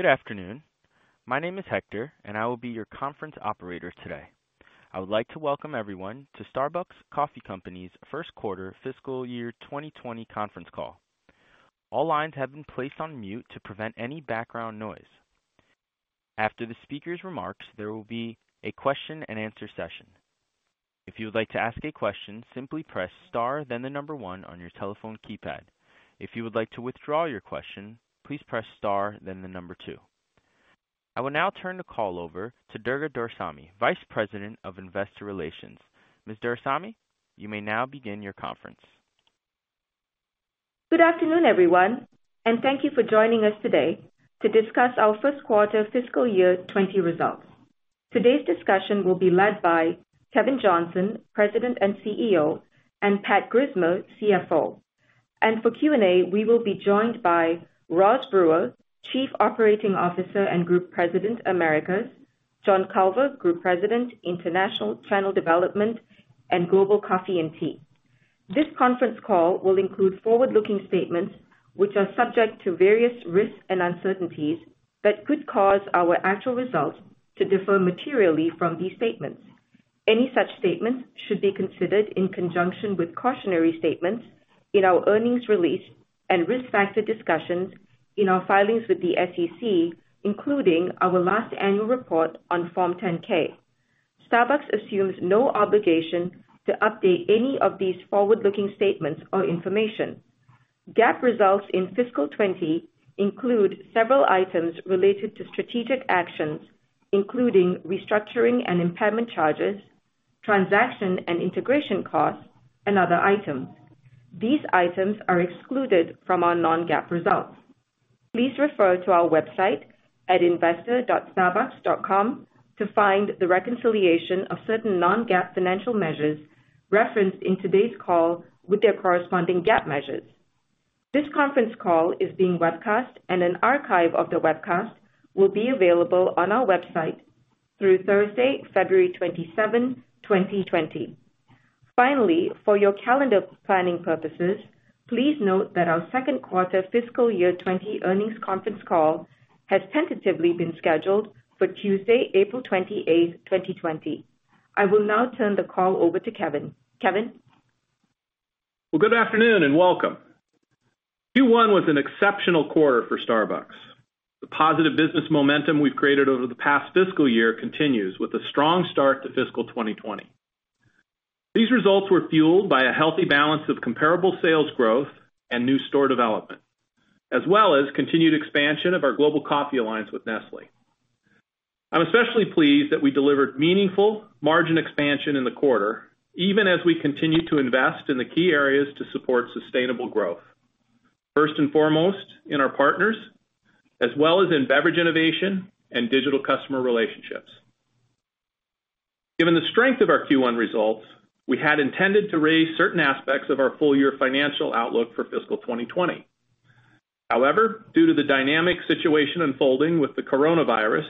Good afternoon. My name is Hector, and I will be your conference operator today. I would like to welcome everyone to Starbucks Coffee Company's first quarter fiscal year 2020 conference call. All lines have been placed on mute to prevent any background noise. After the speaker's remarks, there will be a question and answer session. If you would like to ask a question, simply press star then the number one on your telephone keypad. If you would like to withdraw your question, please press star then the number two. I will now turn the call over to Durga Doraisamy, Vice President of Investor Relations. Ms. Doraisamy, you may now begin your conference. Good afternoon, everyone, and thank you for joining us today to discuss our first quarter fiscal year 2020 results. Today's discussion will be led by Kevin Johnson, President and CEO, and Patrick Grismer, CFO. For Q&A, we will be joined by Roz Brewer, Chief Operating Officer and Group President, Americas, John Culver, Group President, International Channel Development and Global Coffee and Tea. This conference call will include forward-looking statements, which are subject to various risks and uncertainties that could cause our actual results to differ materially from these statements. Any such statements should be considered in conjunction with cautionary statements in our earnings release and risk factor discussions in our filings with the SEC, including our last annual report on Form 10-K. Starbucks assumes no obligation to update any of these forward-looking statements or information. GAAP results in fiscal 2020 include several items related to strategic actions, including restructuring and impairment charges, transaction and integration costs, and other items. These items are excluded from our non-GAAP results. Please refer to our website at investor.starbucks.com to find the reconciliation of certain non-GAAP financial measures referenced in today's call with their corresponding GAAP measures. This conference call is being webcast, and an archive of the webcast will be available on our website through Thursday, February 27, 2020. Finally, for your calendar planning purposes, please note that our second quarter fiscal year 2020 earnings conference call has tentatively been scheduled for Tuesday, April 28, 2020. I will now turn the call over to Kevin. Kevin? Well, good afternoon, and welcome. Q1 was an exceptional quarter for Starbucks. The positive business momentum we've created over the past fiscal year continues with a strong start to fiscal 2020. These results were fueled by a healthy balance of comparable sales growth and new store development, as well as continued expansion of our Global Coffee Alliance with Nestlé. I'm especially pleased that we delivered meaningful margin expansion in the quarter, even as we continue to invest in the key areas to support sustainable growth. First and foremost in our partners, as well as in beverage innovation and digital customer relationships. Given the strength of our Q1 results, we had intended to raise certain aspects of our full-year financial outlook for fiscal 2020. Due to the dynamic situation unfolding with the coronavirus,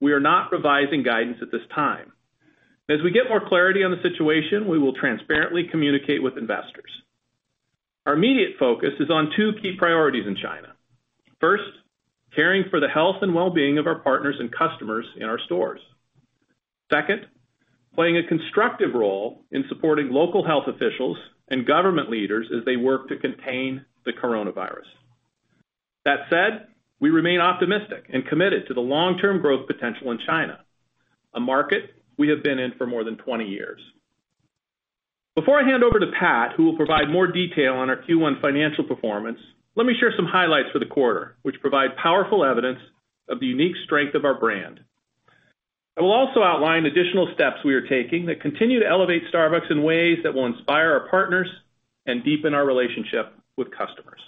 we are not revising guidance at this time. As we get more clarity on the situation, we will transparently communicate with investors. Our immediate focus is on two key priorities in China. First, caring for the health and well-being of our partners and customers in our stores. Second, playing a constructive role in supporting local health officials and government leaders as they work to contain the coronavirus. That said, we remain optimistic and committed to the long-term growth potential in China, a market we have been in for more than 20 years. Before I hand over to Pat, who will provide more detail on our Q1 financial performance, let me share some highlights for the quarter, which provide powerful evidence of the unique strength of our brand. I will also outline additional steps we are taking that continue to elevate Starbucks in ways that will inspire our partners and deepen our relationship with customers.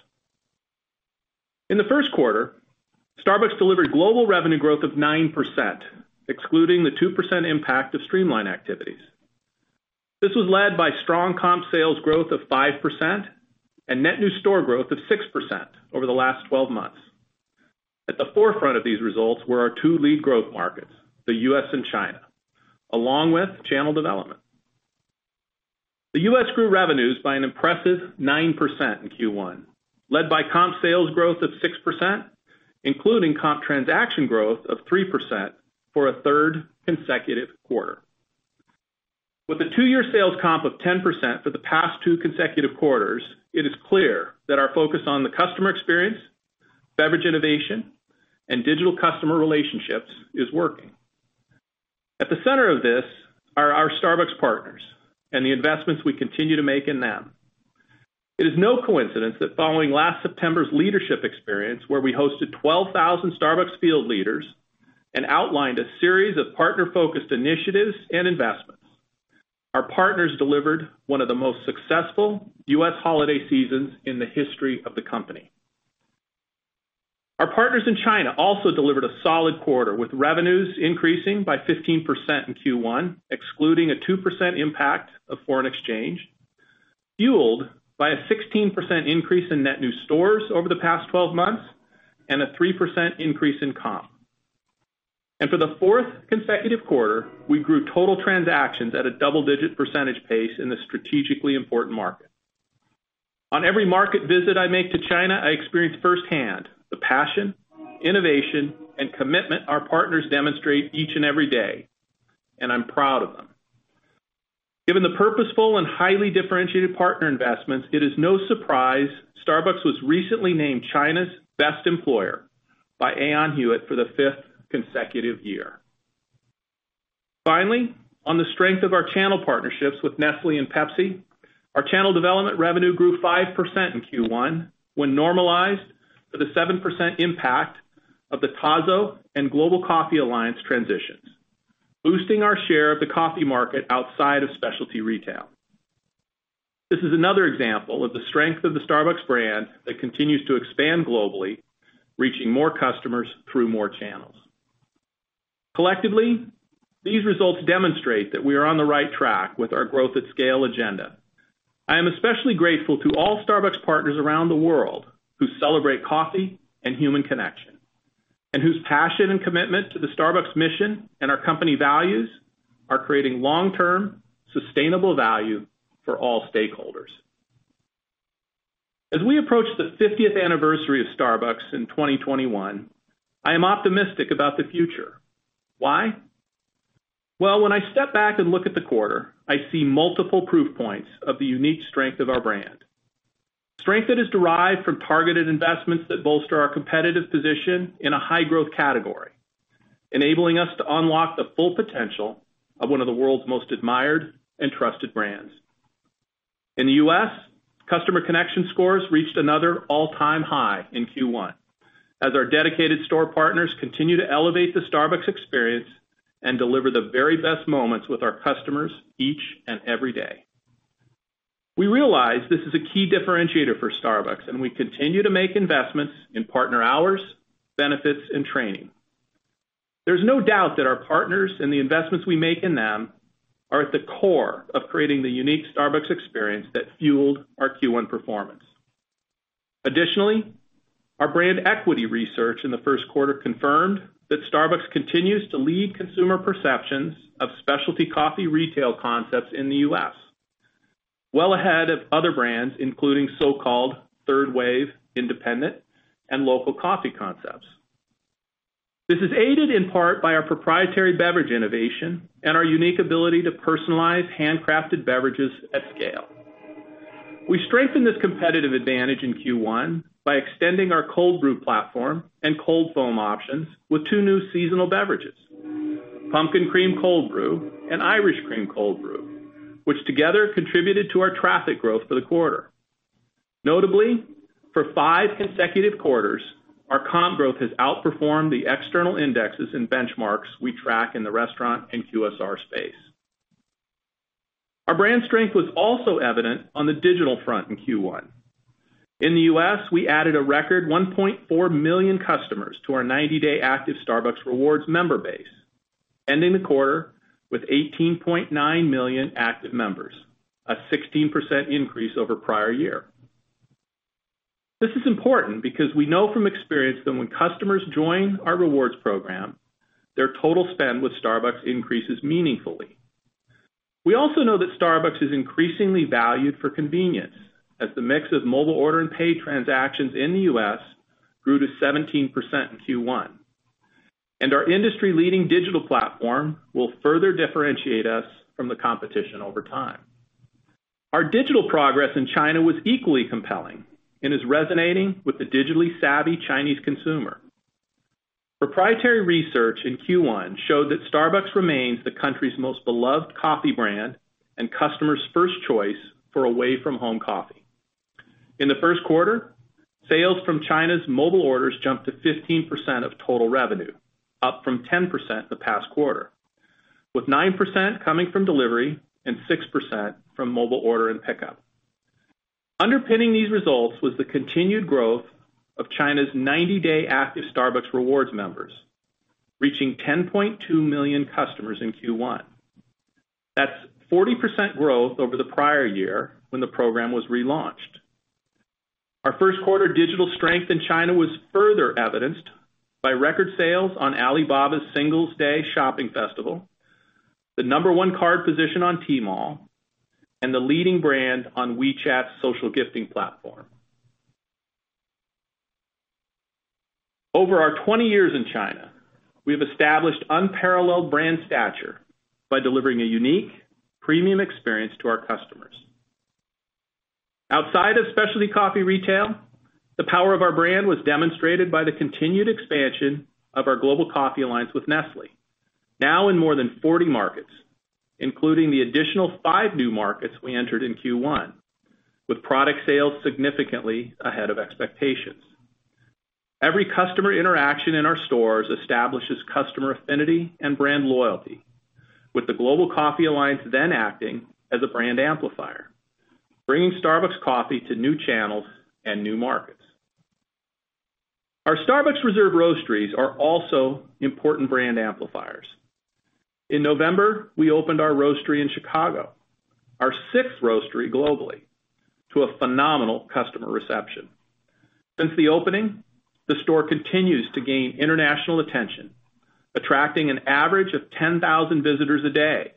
In the first quarter, Starbucks delivered global revenue growth of 9%, excluding the 2% impact of streamline activities. This was led by strong comp sales growth of 5% and net new store growth of 6% over the last 12 months. At the forefront of these results were our two lead growth markets, the U.S. and China, along with Channel Development. The U.S. grew revenues by an impressive 9% in Q1, led by comp sales growth of 6%, including comp transaction growth of 3% for a third consecutive quarter. With the two-year sales comp of 10% for the past two consecutive quarters, it is clear that our focus on the customer experience, beverage innovation, and digital customer relationships is working. At the center of this are our Starbucks partners and the investments we continue to make in them. It is no coincidence that following last September's leadership experience, where we hosted 12,000 Starbucks field leaders and outlined a series of partner-focused initiatives and investments. Our partners delivered one of the most successful U.S. holiday seasons in the history of the company. Our partners in China also delivered a solid quarter, with revenues increasing by 15% in Q1, excluding a 2% impact of foreign exchange, fueled by a 16% increase in net new stores over the past 12 months and a 3% increase in comp. For the fourth consecutive quarter, we grew total transactions at a double-digit percentage pace in this strategically important market. On every market visit I make to China, I experience firsthand the passion, innovation, and commitment our partners demonstrate each and every day, and I'm proud of them. Given the purposeful and highly differentiated partner investments, it is no surprise Starbucks was recently named China's best employer by Aon Hewitt for the fifth consecutive year. Finally, on the strength of our channel partnerships with Nestlé and PepsiCo, our channel development revenue grew 5% in Q1 when normalized for the 7% impact of the Tazo and Global Coffee Alliance transitions, boosting our share of the coffee market outside of specialty retail. This is another example of the strength of the Starbucks brand that continues to expand globally, reaching more customers through more channels. Collectively, these results demonstrate that we are on the right track with our growth at scale agenda. I am especially grateful to all Starbucks partners around the world who celebrate coffee and human connection, and whose passion and commitment to the Starbucks mission and our company values are creating long-term sustainable value for all stakeholders. As we approach the 50th anniversary of Starbucks in 2021, I am optimistic about the future. Why? Well, when I step back and look at the quarter, I see multiple proof points of the unique strength of our brand. Strength that is derived from targeted investments that bolster our competitive position in a high-growth category, enabling us to unlock the full potential of one of the world's most admired and trusted brands. In the U.S., customer connection scores reached another all-time high in Q1, as our dedicated store partners continue to elevate the Starbucks experience and deliver the very best moments with our customers each and every day. We realize this is a key differentiator for Starbucks, and we continue to make investments in partner hours, benefits, and training. There's no doubt that our partners and the investments we make in them are at the core of creating the unique Starbucks experience that fueled our Q1 performance. Our brand equity research in the first quarter confirmed that Starbucks continues to lead consumer perceptions of specialty coffee retail concepts in the U.S., well ahead of other brands, including so-called third wave independent and local coffee concepts. This is aided in part by our proprietary beverage innovation and our unique ability to personalize handcrafted beverages at scale. We strengthened this competitive advantage in Q1 by extending our cold brew platform and cold foam options with two new seasonal beverages, Pumpkin Cream Cold Brew and Irish Cream Cold Brew, which together contributed to our traffic growth for the quarter. Notably, for five consecutive quarters, our comp growth has outperformed the external indexes and benchmarks we track in the restaurant and QSR space. Our brand strength was also evident on the digital front in Q1. In the U.S., we added a record 1.4 million customers to our 90-day active Starbucks Rewards member base, ending the quarter with 18.9 million active members, a 16% increase over prior year. This is important because we know from experience that when customers join our rewards program, their total spend with Starbucks increases meaningfully. We also know that Starbucks is increasingly valued for convenience as the mix of Mobile Order & Pay transactions in the U.S. grew to 17% in Q1. Our industry-leading digital platform will further differentiate us from the competition over time. Our digital progress in China was equally compelling and is resonating with the digitally savvy Chinese consumer. Proprietary research in Q1 showed that Starbucks remains the country's most beloved coffee brand and customers' first choice for away-from-home coffee. In the first quarter, sales from China's mobile orders jumped to 15% of total revenue, up from 10% the past quarter, with 9% coming from delivery and 6% from mobile order and pickup. Underpinning these results was the continued growth of China's 90-day active Starbucks Rewards members, reaching 10.2 million customers in Q1. That's 40% growth over the prior year when the program was relaunched. Our first quarter digital strength in China was further evidenced by record sales on Alibaba's Singles' Day shopping festival, the number one card position on Tmall, and the leading brand on WeChat's social gifting platform. Over our 20 years in China, we've established unparalleled brand stature by delivering a unique premium experience to our customers. Outside of specialty coffee retail, the power of our brand was demonstrated by the continued expansion of our Global Coffee Alliance with Nestlé. Now in more than 40 markets, including the additional five new markets we entered in Q1, with product sales significantly ahead of expectations. Every customer interaction in our stores establishes customer affinity and brand loyalty, with the Global Coffee Alliance then acting as a brand amplifier, bringing Starbucks coffee to new channels and new markets. Our Starbucks Reserve roasteries are also important brand amplifiers. In November, we opened our roastery in Chicago, our sixth roastery globally, to a phenomenal customer reception. Since the opening, the store continues to gain international attention, attracting an average of 10,000 visitors a day,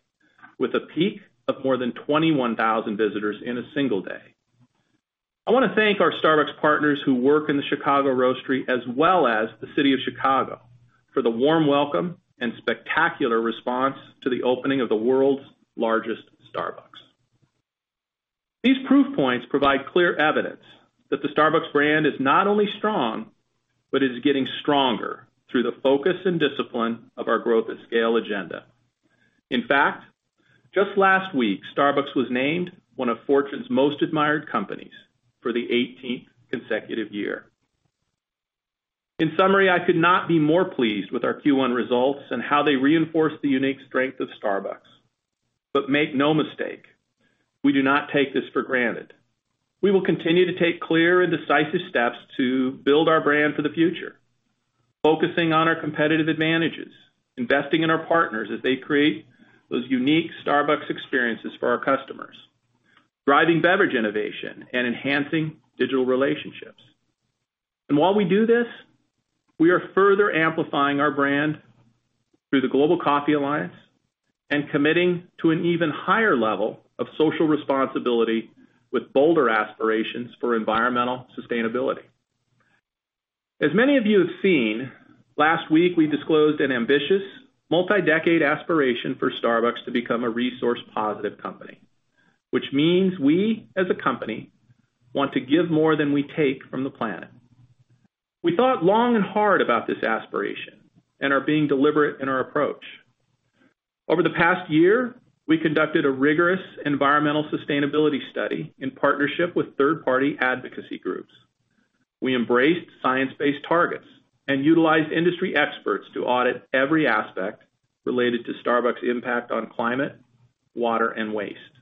with a peak of more than 21,000 visitors in a single day. I want to thank our Starbucks partners who work in the Chicago roastery, as well as the city of Chicago for the warm welcome and spectacular response to the opening of the world's largest Starbucks. These proof points provide clear evidence that the Starbucks brand is not only strong, but is getting stronger through the focus and discipline of our growth at scale agenda. In fact, just last week, Starbucks was named one of Fortune's Most Admired Companies for the 18th consecutive year. In summary, I could not be more pleased with our Q1 results and how they reinforce the unique strength of Starbucks. Make no mistake, we do not take this for granted. We will continue to take clear and decisive steps to build our brand for the future, focusing on our competitive advantages, investing in our partners as they create those unique Starbucks experiences for our customers, driving beverage innovation, and enhancing digital relationships. While we do this, we are further amplifying our brand through the Global Coffee Alliance and committing to an even higher level of social responsibility with bolder aspirations for environmental sustainability. As many of you have seen, last week, we disclosed an ambitious multi-decade aspiration for Starbucks to become a resource-positive company, which means we, as a company, want to give more than we take from the planet. We thought long and hard about this aspiration and are being deliberate in our approach. Over the past year, we conducted a rigorous environmental sustainability study in partnership with third-party advocacy groups. We embraced science-based targets and utilized industry experts to audit every aspect related to Starbucks' impact on climate, water, and waste.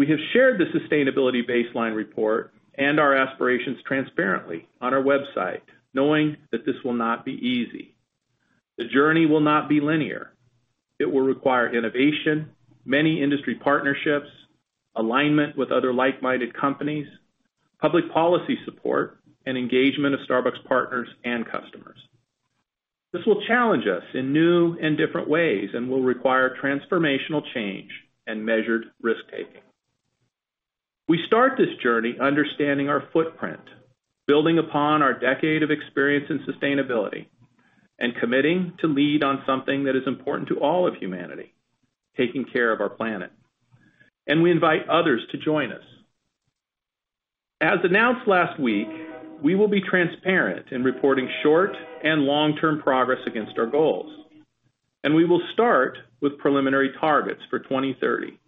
We have shared the sustainability baseline report and our aspirations transparently on our website, knowing that this will not be easy. The journey will not be linear. It will require innovation, many industry partnerships, alignment with other like-minded companies, public policy support, and engagement of Starbucks partners and customers. This will challenge us in new and different ways and will require transformational change and measured risk-taking. We start this journey understanding our footprint, building upon our decade of experience in sustainability, and committing to lead on something that is important to all of humanity, taking care of our planet, and we invite others to join us. As announced last week, we will be transparent in reporting short- and long-term progress against our goals, and we will start with preliminary targets for 2030.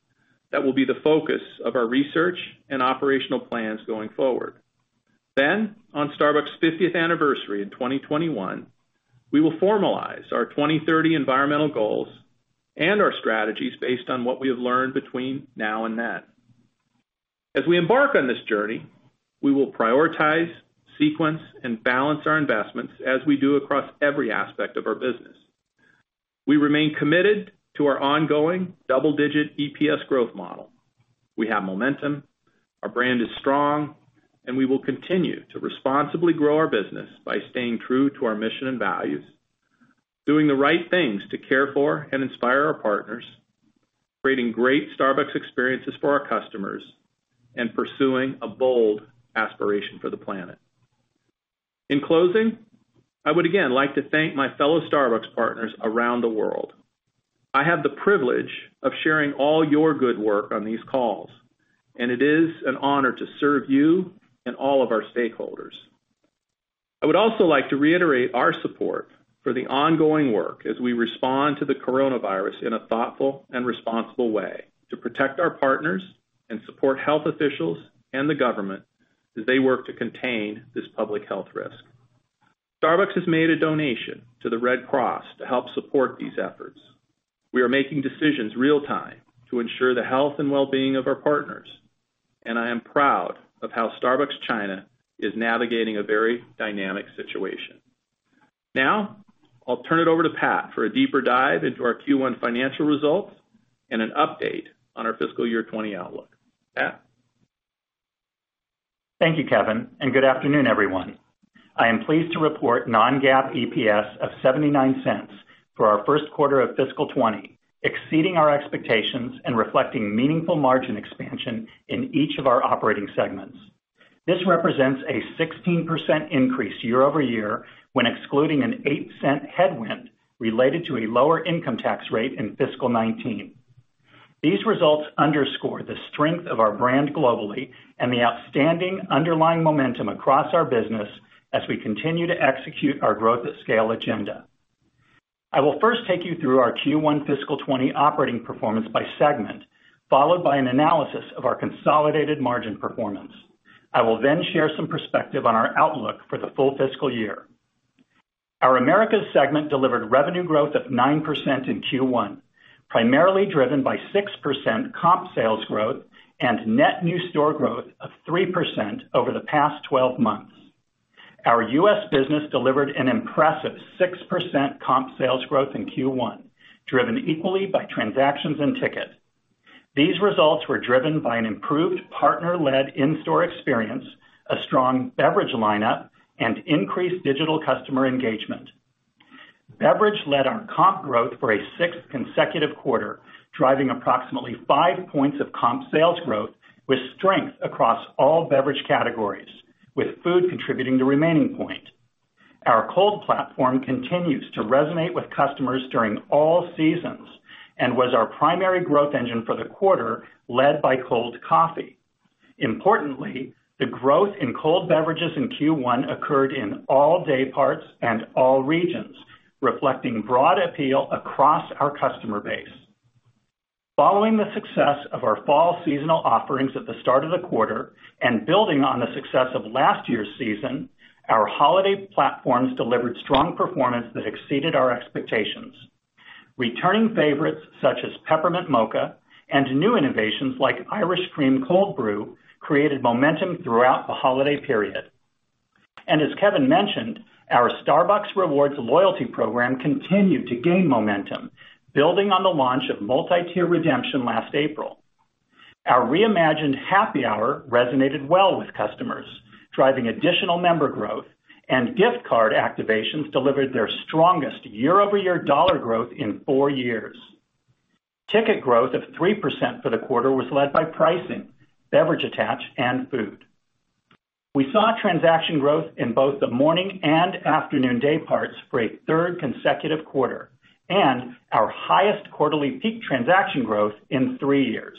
That will be the focus of our research and operational plans going forward. On Starbucks' 50th anniversary in 2021, we will formalize our 2030 environmental goals and our strategies based on what we have learned between now and then. As we embark on this journey, we will prioritize, sequence, and balance our investments as we do across every aspect of our business. We remain committed to our ongoing double-digit EPS growth model. We have momentum, our brand is strong, and we will continue to responsibly grow our business by staying true to our mission and values, doing the right things to care for and inspire our partners, creating great Starbucks experiences for our customers, and pursuing a bold aspiration for the planet. In closing, I would again like to thank my fellow Starbucks partners around the world. I have the privilege of sharing all your good work on these calls, and it is an honor to serve you and all of our stakeholders. I would also like to reiterate our support for the ongoing work as we respond to the coronavirus in a thoughtful and responsible way to protect our partners and support health officials and the government as they work to contain this public health risk. Starbucks has made a donation to the Red Cross to help support these efforts. We are making decisions real time to ensure the health and well-being of our partners, and I am proud of how Starbucks China is navigating a very dynamic situation. I'll turn it over to Pat for a deeper dive into our Q1 financial results and an update on our fiscal year 2020 outlook. Pat? Thank you, Kevin. Good afternoon, everyone. I am pleased to report non-GAAP EPS of $0.79 for our first quarter of fiscal 2020, exceeding our expectations and reflecting meaningful margin expansion in each of our operating segments. This represents a 16% increase year-over-year when excluding an $0.08 headwind related to a lower income tax rate in fiscal 2019. These results underscore the strength of our brand globally and the outstanding underlying momentum across our business as we continue to execute our growth at scale agenda. I will first take you through our Q1 fiscal 2020 operating performance by segment, followed by an analysis of our consolidated margin performance. I will share some perspective on our outlook for the full fiscal year. Our Americas segment delivered revenue growth of 9% in Q1, primarily driven by 6% comp sales growth and net new store growth of 3% over the past 12 months. Our U.S. business delivered an impressive 6% comp sales growth in Q1, driven equally by transactions and ticket. These results were driven by an improved partner-led in-store experience, a strong beverage lineup, and increased digital customer engagement. Beverage led our comp growth for a sixth consecutive quarter, driving approximately five points of comp sales growth with strength across all beverage categories, with food contributing the remaining point. Our cold platform continues to resonate with customers during all seasons and was our primary growth engine for the quarter, led by cold coffee. Importantly, the growth in cold beverages in Q1 occurred in all day parts and all regions, reflecting broad appeal across our customer base. Following the success of our fall seasonal offerings at the start of the quarter and building on the success of last year's season, our holiday platforms delivered strong performance that exceeded our expectations. Returning favorites such as Peppermint Mocha and new innovations like Irish Cream Cold Brew created momentum throughout the holiday period. As Kevin mentioned, our Starbucks Rewards loyalty program continued to gain momentum, building on the launch of multi-tier redemption last April. Our reimagined Happy Hour resonated well with customers, driving additional member growth, and gift card activations delivered their strongest year-over-year dollar growth in four years. Ticket growth of 3% for the quarter was led by pricing, beverage attach, and food. We saw transaction growth in both the morning and afternoon day parts for a third consecutive quarter and our highest quarterly peak transaction growth in three years.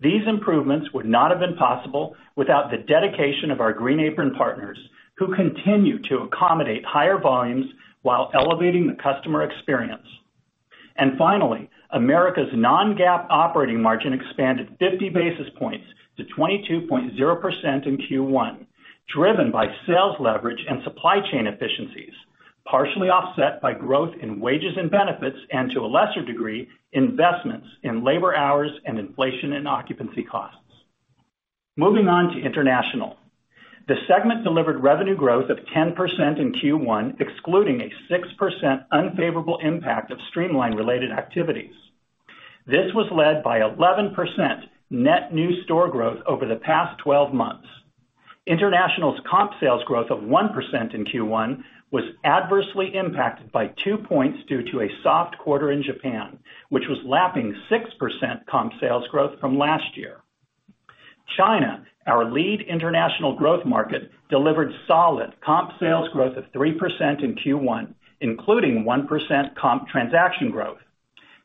These improvements would not have been possible without the dedication of our green apron partners, who continue to accommodate higher volumes while elevating the customer experience. Finally, Americas' non-GAAP operating margin expanded 50 basis points to 22.0% in Q1, driven by sales leverage and supply chain efficiencies, partially offset by growth in wages and benefits, and to a lesser degree, investments in labor hours and inflation and occupancy costs. Moving on to International. The segment delivered revenue growth of 10% in Q1, excluding a 6% unfavorable impact of streamline related activities. This was led by 11% net new store growth over the past 12 months. International's comp sales growth of 1% in Q1 was adversely impacted by two points due to a soft quarter in Japan, which was lapping 6% comp sales growth from last year. China, our lead international growth market, delivered solid comp sales growth of 3% in Q1, including 1% comp transaction growth.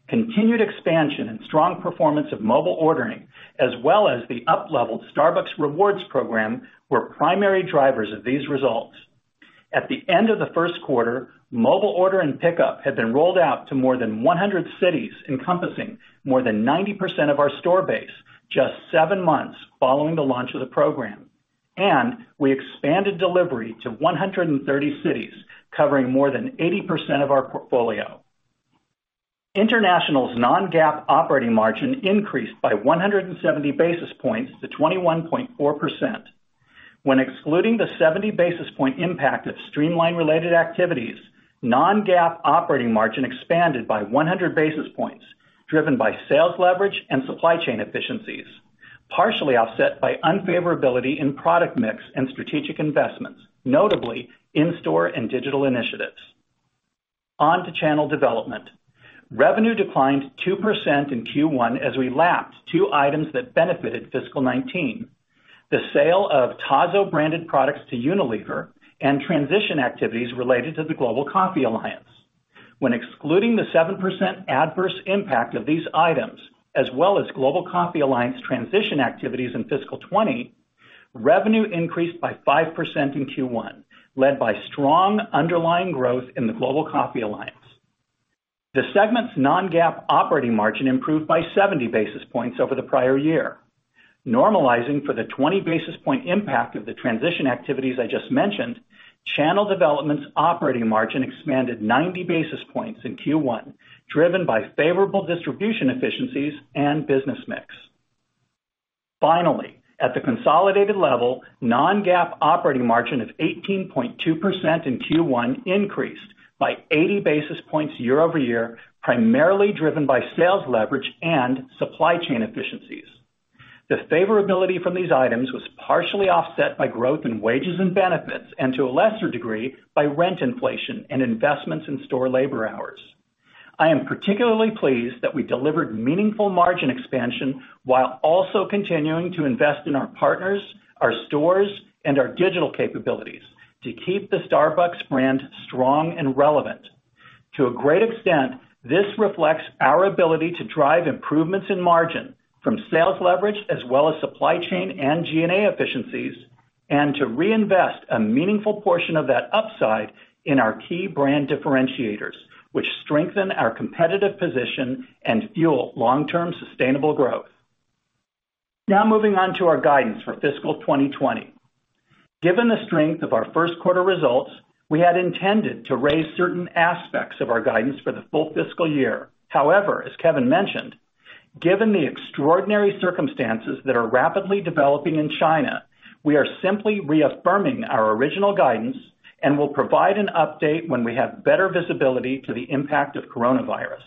Continued expansion and strong performance of mobile ordering, as well as the up-leveled Starbucks Rewards program, were primary drivers of these results. At the end of the first quarter, Mobile Order & Pay had been rolled out to more than 100 cities, encompassing more than 90% of our store base just seven months following the launch of the program. We expanded delivery to 130 cities, covering more than 80% of our portfolio. International's non-GAAP operating margin increased by 170 basis points to 21.4%. When excluding the 70 basis point impact of streamline related activities, non-GAAP operating margin expanded by 100 basis points, driven by sales leverage and supply chain efficiencies, partially offset by unfavorability in product mix and strategic investments, notably in-store and digital initiatives. On to channel development. Revenue declined 2% in Q1 as we lapsed two items that benefited fiscal 2019, the sale of Tazo-branded products to Unilever and transition activities related to the Global Coffee Alliance. When excluding the 7% adverse impact of these items, as well as Global Coffee Alliance transition activities in fiscal 2020, revenue increased by 5% in Q1, led by strong underlying growth in the Global Coffee Alliance. The segment's non-GAAP operating margin improved by 70 basis points over the prior year. Normalizing for the 20 basis point impact of the transition activities I just mentioned, Channel Development's operating margin expanded 90 basis points in Q1, driven by favorable distribution efficiencies and business mix. Finally, at the consolidated level, non-GAAP operating margin of 18.2% in Q1 increased by 80 basis points year-over-year, primarily driven by sales leverage and supply chain efficiencies. The favorability from these items was partially offset by growth in wages and benefits, and to a lesser degree, by rent inflation and investments in store labor hours. I am particularly pleased that we delivered meaningful margin expansion while also continuing to invest in our partners, our stores, and our digital capabilities to keep the Starbucks brand strong and relevant. To a great extent, this reflects our ability to drive improvements in margin from sales leverage as well as supply chain and G&A efficiencies, and to reinvest a meaningful portion of that upside in our key brand differentiators, which strengthen our competitive position and fuel long-term sustainable growth. Moving on to our guidance for fiscal 2020. Given the strength of our first quarter results, we had intended to raise certain aspects of our guidance for the full fiscal year. However, as Kevin mentioned, given the extraordinary circumstances that are rapidly developing in China, we are simply reaffirming our original guidance and will provide an update when we have better visibility to the impact of coronavirus.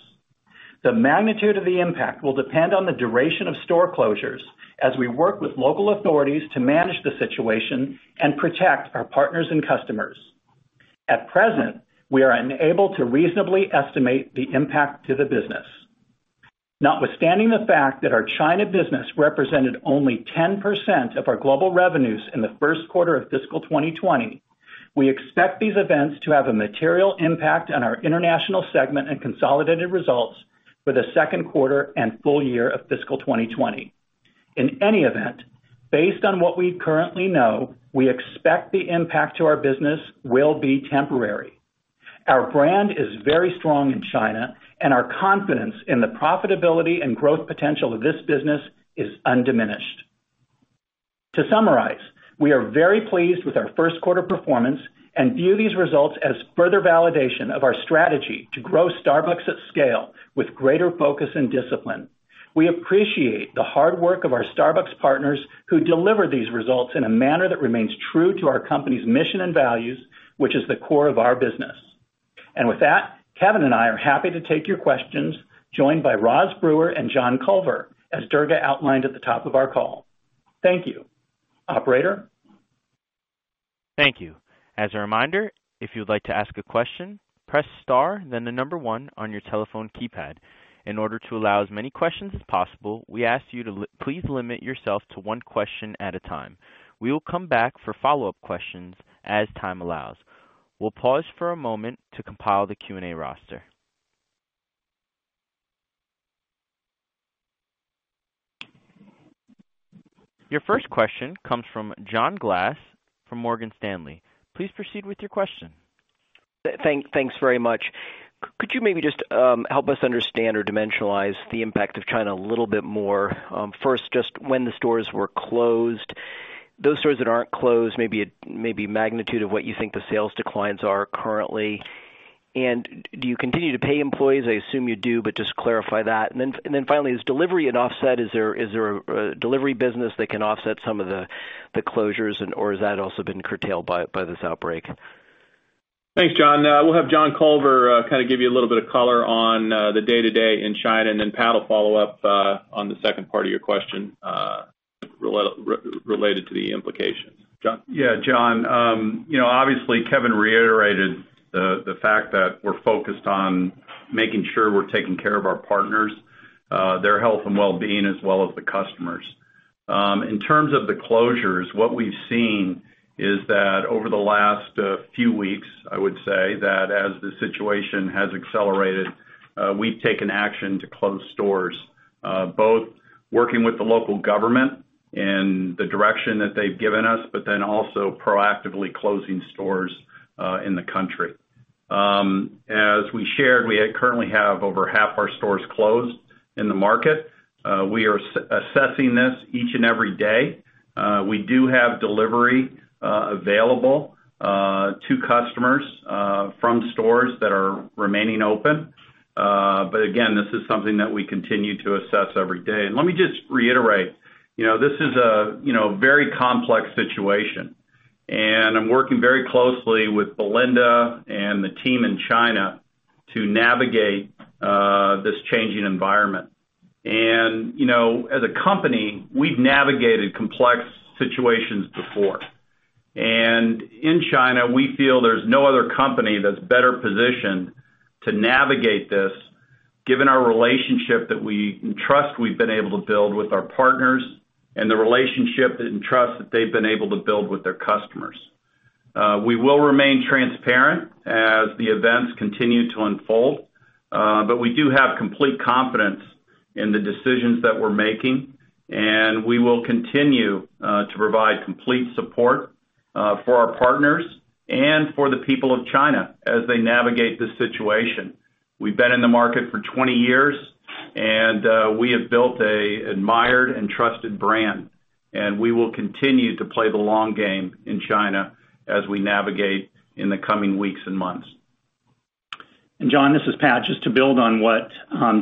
The magnitude of the impact will depend on the duration of store closures as we work with local authorities to manage the situation and protect our partners and customers. At present, we are unable to reasonably estimate the impact to the business. Notwithstanding the fact that our China business represented only 10% of our global revenues in the first quarter of fiscal 2020, we expect these events to have a material impact on our international segment and consolidated results for the second quarter and full year of fiscal 2020. In any event, based on what we currently know, we expect the impact to our business will be temporary. Our brand is very strong in China. Our confidence in the profitability and growth potential of this business is undiminished. To summarize, we are very pleased with our first quarter performance and view these results as further validation of our strategy to grow Starbucks at scale with greater focus and discipline. We appreciate the hard work of our Starbucks partners who deliver these results in a manner that remains true to our company's mission and values, which is the core of our business. With that, Kevin and I are happy to take your questions, joined by Rosalind Brewer and John Culver, as Durga outlined at the top of our call. Thank you. Operator? Thank you. As a reminder, if you'd like to ask a question, press star then the number one on your telephone keypad. In order to allow as many questions as possible, we ask you to please limit yourself to one question at a time. We will come back for follow-up questions as time allows. We'll pause for a moment to compile the Q&A roster. Your first question comes from John Glass from Morgan Stanley. Please proceed with your question. Thanks very much. Could you maybe just help us understand or dimensionalize the impact of China a little bit more? First, just when the stores were closed, those stores that aren't closed, maybe magnitude of what you think the sales declines are currently. Do you continue to pay employees? I assume you do, but just clarify that. Then finally, is delivery an offset? Is there a delivery business that can offset some of the closures, or has that also been curtailed by this outbreak? Thanks, John. We'll have John Culver kind of give you a little bit of color on the day-to-day in China, and then Pat will follow up on the second part of your question related to the implications. John? John, obviously, Kevin reiterated the fact that we're focused on making sure we're taking care of our partners, their health and wellbeing, as well as the customers. In terms of the closures, what we've seen is that over the last few weeks, I would say, that as the situation has accelerated, we've taken action to close stores, both working with the local government and the direction that they've given us, also proactively closing stores in the country. As we shared, we currently have over half our stores closed in the market. We are assessing this each and every day. We do have delivery available to customers from stores that are remaining open. Again, this is something that we continue to assess every day. Let me just reiterate, this is a very complex situation. I'm working very closely with Belinda and the team in China to navigate this changing environment. As a company, we've navigated complex situations before. In China, we feel there's no other company that's better positioned to navigate this, given our relationship and trust we've been able to build with our partners, and the relationship and trust that they've been able to build with their customers. We will remain transparent as the events continue to unfold. We do have complete confidence in the decisions that we're making, and we will continue to provide complete support for our partners and for the people of China as they navigate this situation. We've been in the market for 20 years, and we have built an admired and trusted brand, and we will continue to play the long game in China as we navigate in the coming weeks and months. John, this is Pat. Just to build on what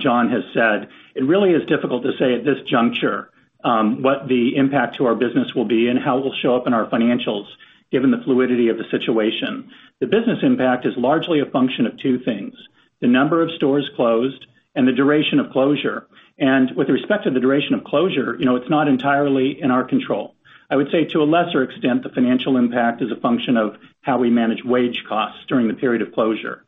John has said. It really is difficult to say at this juncture what the impact to our business will be and how it will show up in our financials, given the fluidity of the situation. The business impact is largely a function of two things, the number of stores closed and the duration of closure. With respect to the duration of closure, it's not entirely in our control. I would say to a lesser extent, the financial impact is a function of how we manage wage costs during the period of closure.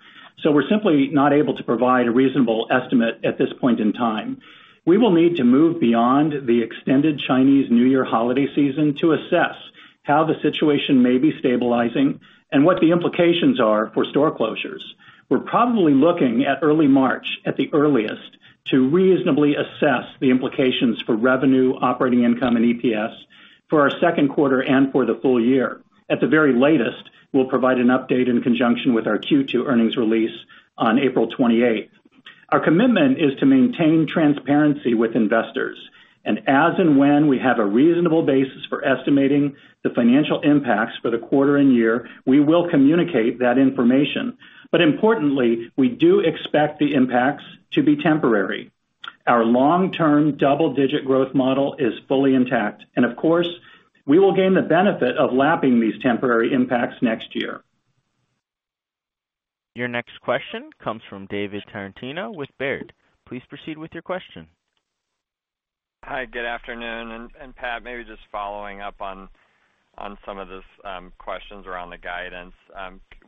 We're simply not able to provide a reasonable estimate at this point in time. We will need to move beyond the extended Chinese New Year holiday season to assess how the situation may be stabilizing and what the implications are for store closures. We're probably looking at early March at the earliest to reasonably assess the implications for revenue, operating income, and EPS for our second quarter and for the full year. At the very latest, we'll provide an update in conjunction with our Q2 earnings release on April 28th. Our commitment is to maintain transparency with investors. As and when we have a reasonable basis for estimating the financial impacts for the quarter and year, we will communicate that information. Importantly, we do expect the impacts to be temporary. Our long-term double-digit growth model is fully intact. Of course, we will gain the benefit of lapping these temporary impacts next year. Your next question comes from David Tarantino with Baird. Please proceed with your question. Hi, good afternoon. Pat, maybe just following up on some of these questions around the guidance.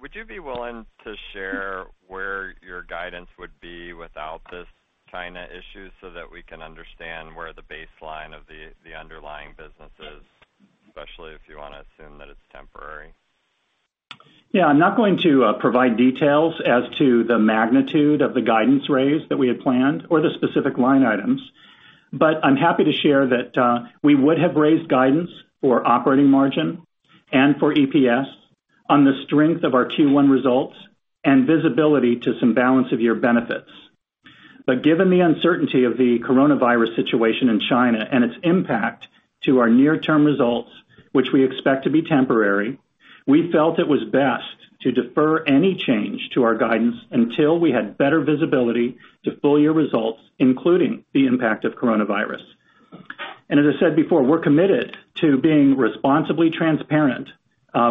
Would you be willing to share where your guidance would be without this China issue so that we can understand where the baseline of the underlying business is, especially if you want to assume that it's temporary? Yeah, I'm not going to provide details as to the magnitude of the guidance raise that we had planned or the specific line items. I'm happy to share that we would have raised guidance for operating margin and for EPS on the strength of our Q1 results and visibility to some balance of year benefits. Given the uncertainty of the coronavirus situation in China and its impact to our near-term results, which we expect to be temporary, we felt it was best to defer any change to our guidance until we had better visibility to full year results, including the impact of coronavirus. As I said before, we're committed to being responsibly transparent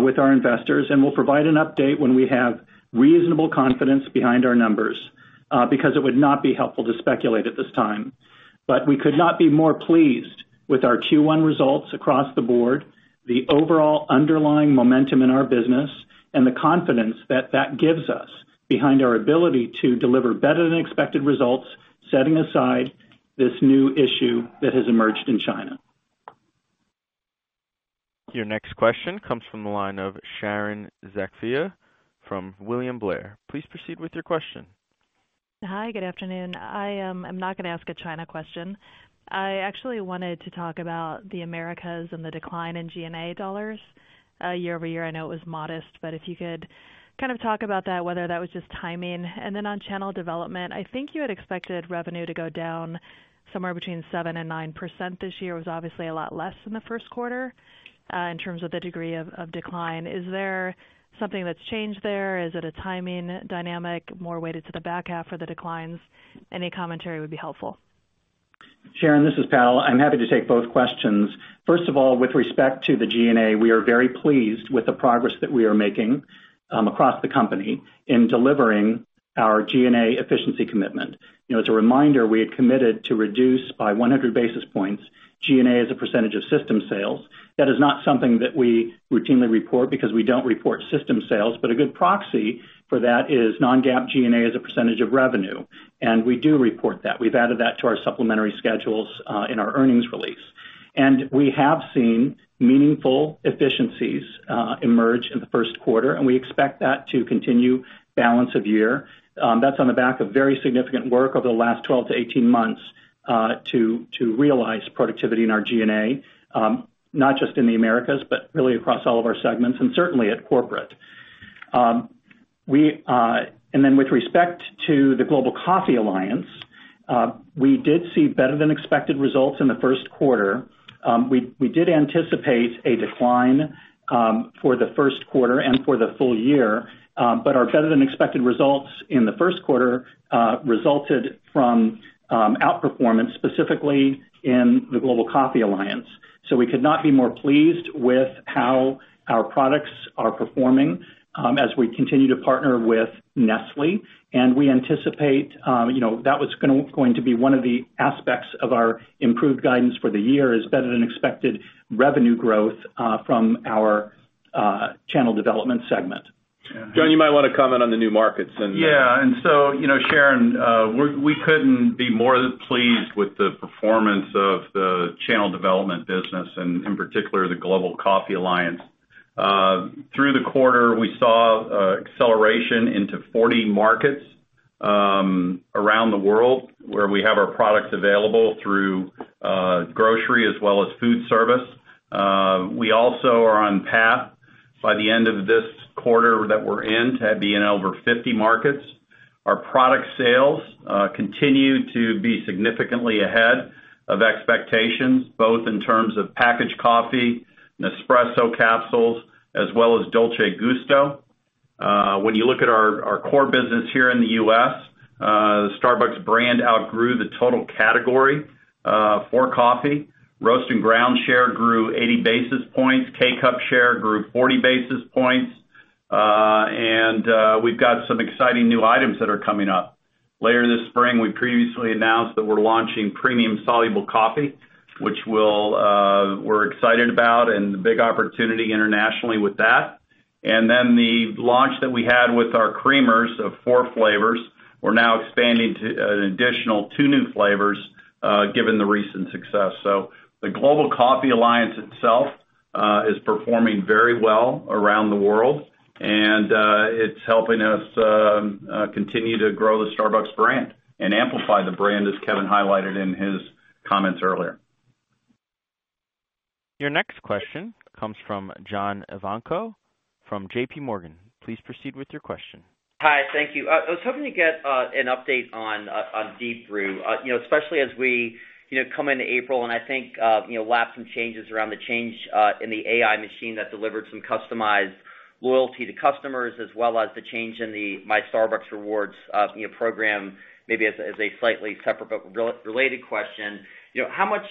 with our investors, and we'll provide an update when we have reasonable confidence behind our numbers, because it would not be helpful to speculate at this time. We could not be more pleased with our Q1 results across the board, the overall underlying momentum in our business, and the confidence that that gives us behind our ability to deliver better-than-expected results, setting aside this new issue that has emerged in China. Your next question comes from the line of Sharon Zackfia from William Blair. Please proceed with your question. Hi, good afternoon. I'm not going to ask a China question. I actually wanted to talk about the Americas and the decline in G&A dollars year-over-year. I know it was modest, but if you could kind of talk about that, whether that was just timing. On channel development, I think you had expected revenue to go down somewhere between 7% and 9% this year. It was obviously a lot less in the first quarter in terms of the degree of decline. Is there something that's changed there? Is it a timing dynamic, more weighted to the back half or the declines? Any commentary would be helpful. Sharon, this is Pat. I'm happy to take both questions. First of all, with respect to the G&A, we are very pleased with the progress that we are making across the company in delivering our G&A efficiency commitment. As a reminder, we had committed to reduce by 100 basis points G&A as a percentage of system sales. That is not something that we routinely report because we don't report system sales. A good proxy for that is non-GAAP G&A as a percentage of revenue. We do report that. We've added that to our supplementary schedules in our earnings release. We have seen meaningful efficiencies emerge in the first quarter, and we expect that to continue balance of year. That's on the back of very significant work over the last 12-18 months to realize productivity in our G&A, not just in the Americas, but really across all of our segments and certainly at corporate. With respect to the Global Coffee Alliance, we did see better than expected results in the first quarter. We did anticipate a decline for the first quarter and for the full year. Our better than expected results in the first quarter resulted from outperformance, specifically in the Global Coffee Alliance. We could not be more pleased with how our products are performing as we continue to partner with Nestlé. We anticipate that was going to be one of the aspects of our improved guidance for the year is better than expected revenue growth from our Channel Development segment. John, you might want to comment on the new markets. Yeah. Sharon, we couldn't be more pleased with the performance of the channel development business and in particular, the Global Coffee Alliance. Through the quarter, we saw acceleration into 40 markets around the world where we have our products available through grocery as well as food service. We also are on path by the end of this quarter that we're in to be in over 50 markets. Our product sales continue to be significantly ahead of expectations, both in terms of packaged coffee, Nespresso capsules, as well as Dolce Gusto. When you look at our core business here in the U.S., the Starbucks brand outgrew the total category for coffee. Roast and ground share grew 80 basis points. K-Cup share grew 40 basis points. We've got some exciting new items that are coming up. Later this spring, we previously announced that we're launching premium soluble coffee, which we're excited about and the big opportunity internationally with that. The launch that we had with our creamers of four flavors, we're now expanding to an additional two new flavors given the recent success. The Global Coffee Alliance itself is performing very well around the world, and it's helping us continue to grow the Starbucks brand and amplify the brand, as Kevin highlighted in his comments earlier. Your next question comes from John Ivankoe from JPMorgan. Please proceed with your question. Hi, thank you. I was hoping to get an update on Deep Brew. Especially as we come into April, and I think lap some changes around the change in the AI machine that delivered some customized loyalty to customers, as well as the change in the My Starbucks Rewards program, maybe as a slightly separate but related question. How much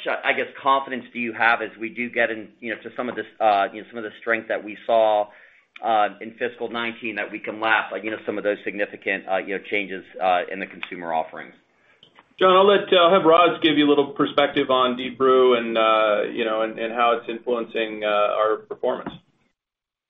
confidence do you have as we do get into some of the strength that we saw in fiscal 2019 that we can lap some of those significant changes in the consumer offerings? John, I'll have Roz give you a little perspective on Deep Brew and how it's influencing our performance.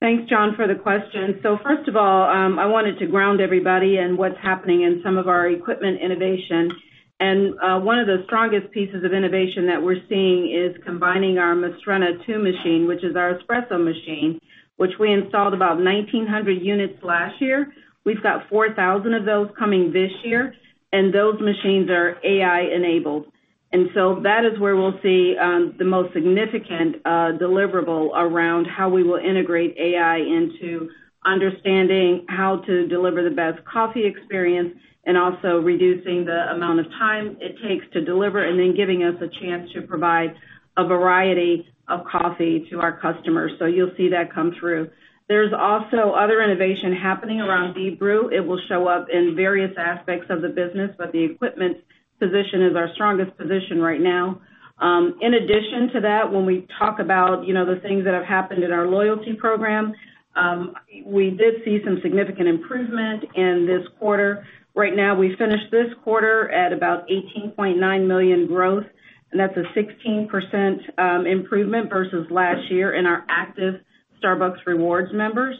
Thanks, John, for the question. First of all, I wanted to ground everybody in what's happening in some of our equipment innovation. One of the strongest pieces of innovation that we're seeing is combining our Mastrena II machine, which is our espresso machine, which we installed about 1,900 units last year. We've got 4,000 of those coming this year, and those machines are AI-enabled. That is where we'll see the most significant deliverable around how we will integrate AI into understanding how to deliver the best coffee experience and also reducing the amount of time it takes to deliver, and then giving us a chance to provide a variety of coffee to our customers. You'll see that come through. There's also other innovation happening around Deep Brew. It will show up in various aspects of the business, but the equipment position is our strongest position right now. In addition to that, when we talk about the things that have happened in our Starbucks Rewards, we did see some significant improvement in this quarter. Right now, we finished this quarter at about 18.9 million growth, and that's a 16% improvement versus last year in our active Starbucks Rewards members.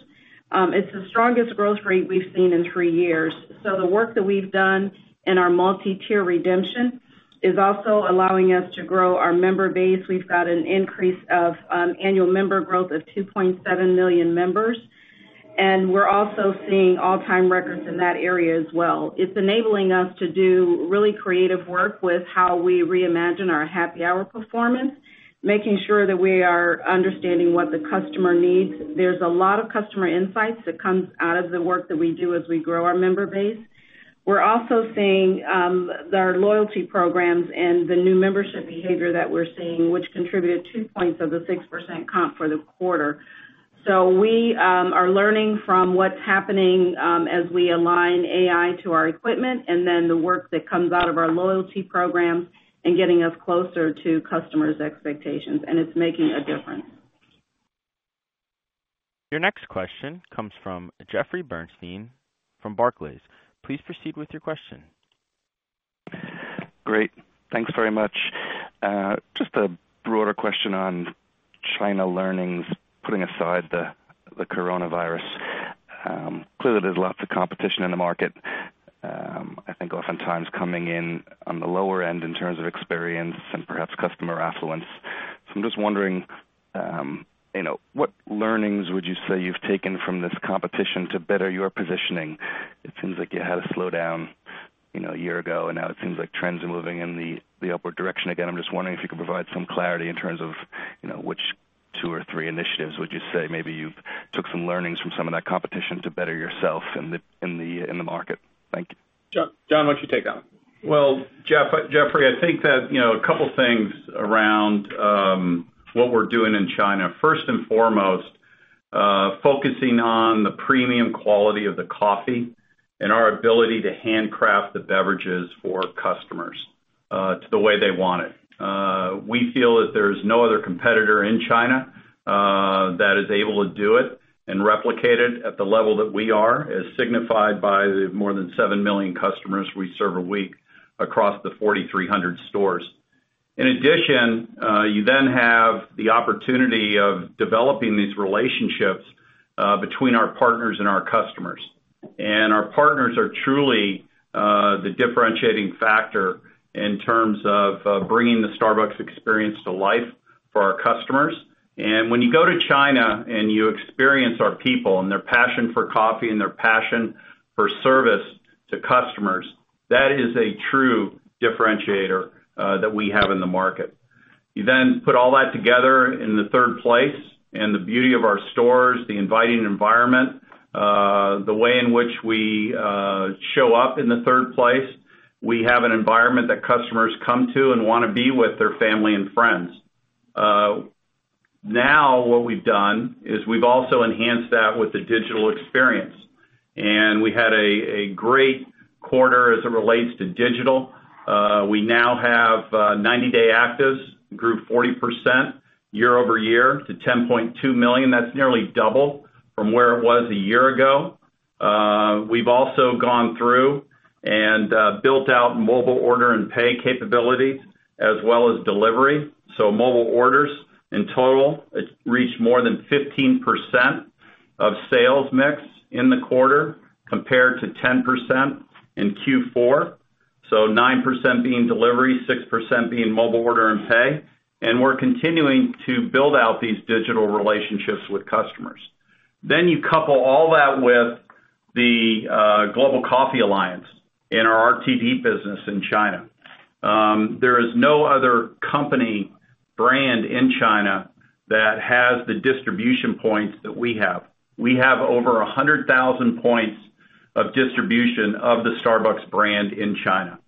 It's the strongest growth rate we've seen in three years. The work that we've done in our multi-tier redemption is also allowing us to grow our member base. We've got an increase of annual member growth of 2.7 million members, and we're also seeing all-time records in that area as well. It's enabling us to do really creative work with how we reimagine our happy hour performance, making sure that we are understanding what the customer needs. There's a lot of customer insights that comes out of the work that we do as we grow our member base. We're also seeing our loyalty programs and the new membership behavior that we're seeing, which contributed two points of the 6% comp for the quarter. We are learning from what's happening as we align AI to our equipment and then the work that comes out of our loyalty programs and getting us closer to customers' expectations. It's making a difference. Your next question comes from Jeffrey Bernstein from Barclays. Please proceed with your question. Great. Thanks very much. Just a broader question on China learnings, putting aside the coronavirus. Clearly, there's lots of competition in the market, I think oftentimes coming in on the lower end in terms of experience and perhaps customer affluence. I'm just wondering, what learnings would you say you've taken from this competition to better your positioning? It seems like you had a slowdown a year ago, and now it seems like trends are moving in the upward direction again. I'm just wondering if you could provide some clarity in terms of which two or three initiatives would you say maybe you've took some learnings from some of that competition to better yourself in the market. Thank you. John, why don't you take that one? Well, Jeffrey, I think that a couple of things around what we're doing in China. First and foremost, focusing on the premium quality of the coffee and our ability to handcraft the beverages for customers to the way they want it. We feel that there's no other competitor in China that is able to do it and replicate it at the level that we are, as signified by the more than 7 million customers we serve a week across the 4,300 stores. In addition, you then have the opportunity of developing these relationships between our partners and our customers. Our partners are truly the differentiating factor in terms of bringing the Starbucks experience to life for our customers. When you go to China and you experience our people and their passion for coffee and their passion for service to customers, that is a true differentiator that we have in the market. Put all that together in the third place and the beauty of our stores, the inviting environment, the way in which we show up in the third place. We have an environment that customers come to and want to be with their family and friends. What we've done is we've also enhanced that with the digital experience. We had a great quarter as it relates to digital. We now have 90-day actives grew 40% year-over-year to 10.2 million. That's nearly double from where it was a year ago. We've also gone through and built out Mobile Order & Pay capabilities as well as delivery. Mobile orders in total, it reached more than 15% of sales mix in the quarter compared to 10% in Q4. 9% being delivery, 6% being Mobile Order & Pay. We're continuing to build out these digital relationships with customers. Then you couple all that with the Global Coffee Alliance in our RTD business in China. There is no other company brand in China that has the distribution points that we have. We have over 100,000 points of distribution of the Starbucks brand in China,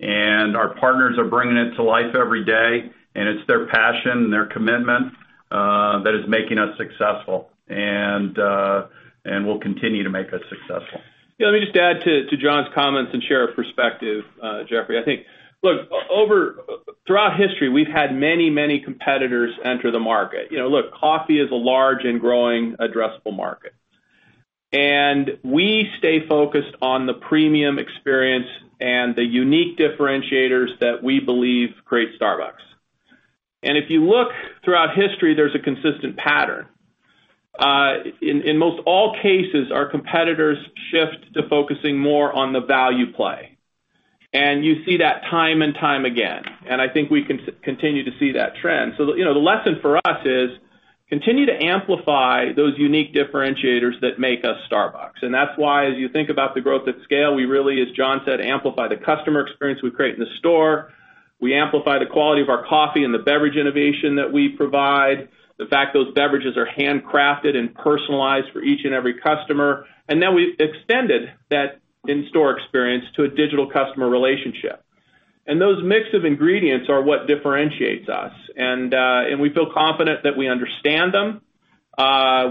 and our partners are bringing it to life every day, and it's their passion and their commitment that is making us successful and will continue to make us successful. Yeah, let me just add to John's comments and share a perspective, Jeffrey. I think, look, throughout history, we've had many, many competitors enter the market. Look, coffee is a large and growing addressable market. We stay focused on the premium experience and the unique differentiators that we believe create Starbucks. If you look throughout history, there's a consistent pattern. In most all cases, our competitors shift to focusing more on the value play. You see that time and time again, and I think we continue to see that trend. The lesson for us is continue to amplify those unique differentiators that make us Starbucks. That's why, as you think about the growth at scale, we really, as John said, amplify the customer experience we create in the store. We amplify the quality of our coffee and the beverage innovation that we provide. The fact those beverages are handcrafted and personalized for each and every customer. Then we extended that in-store experience to a digital customer relationship. Those mix of ingredients are what differentiates us. We feel confident that we understand them.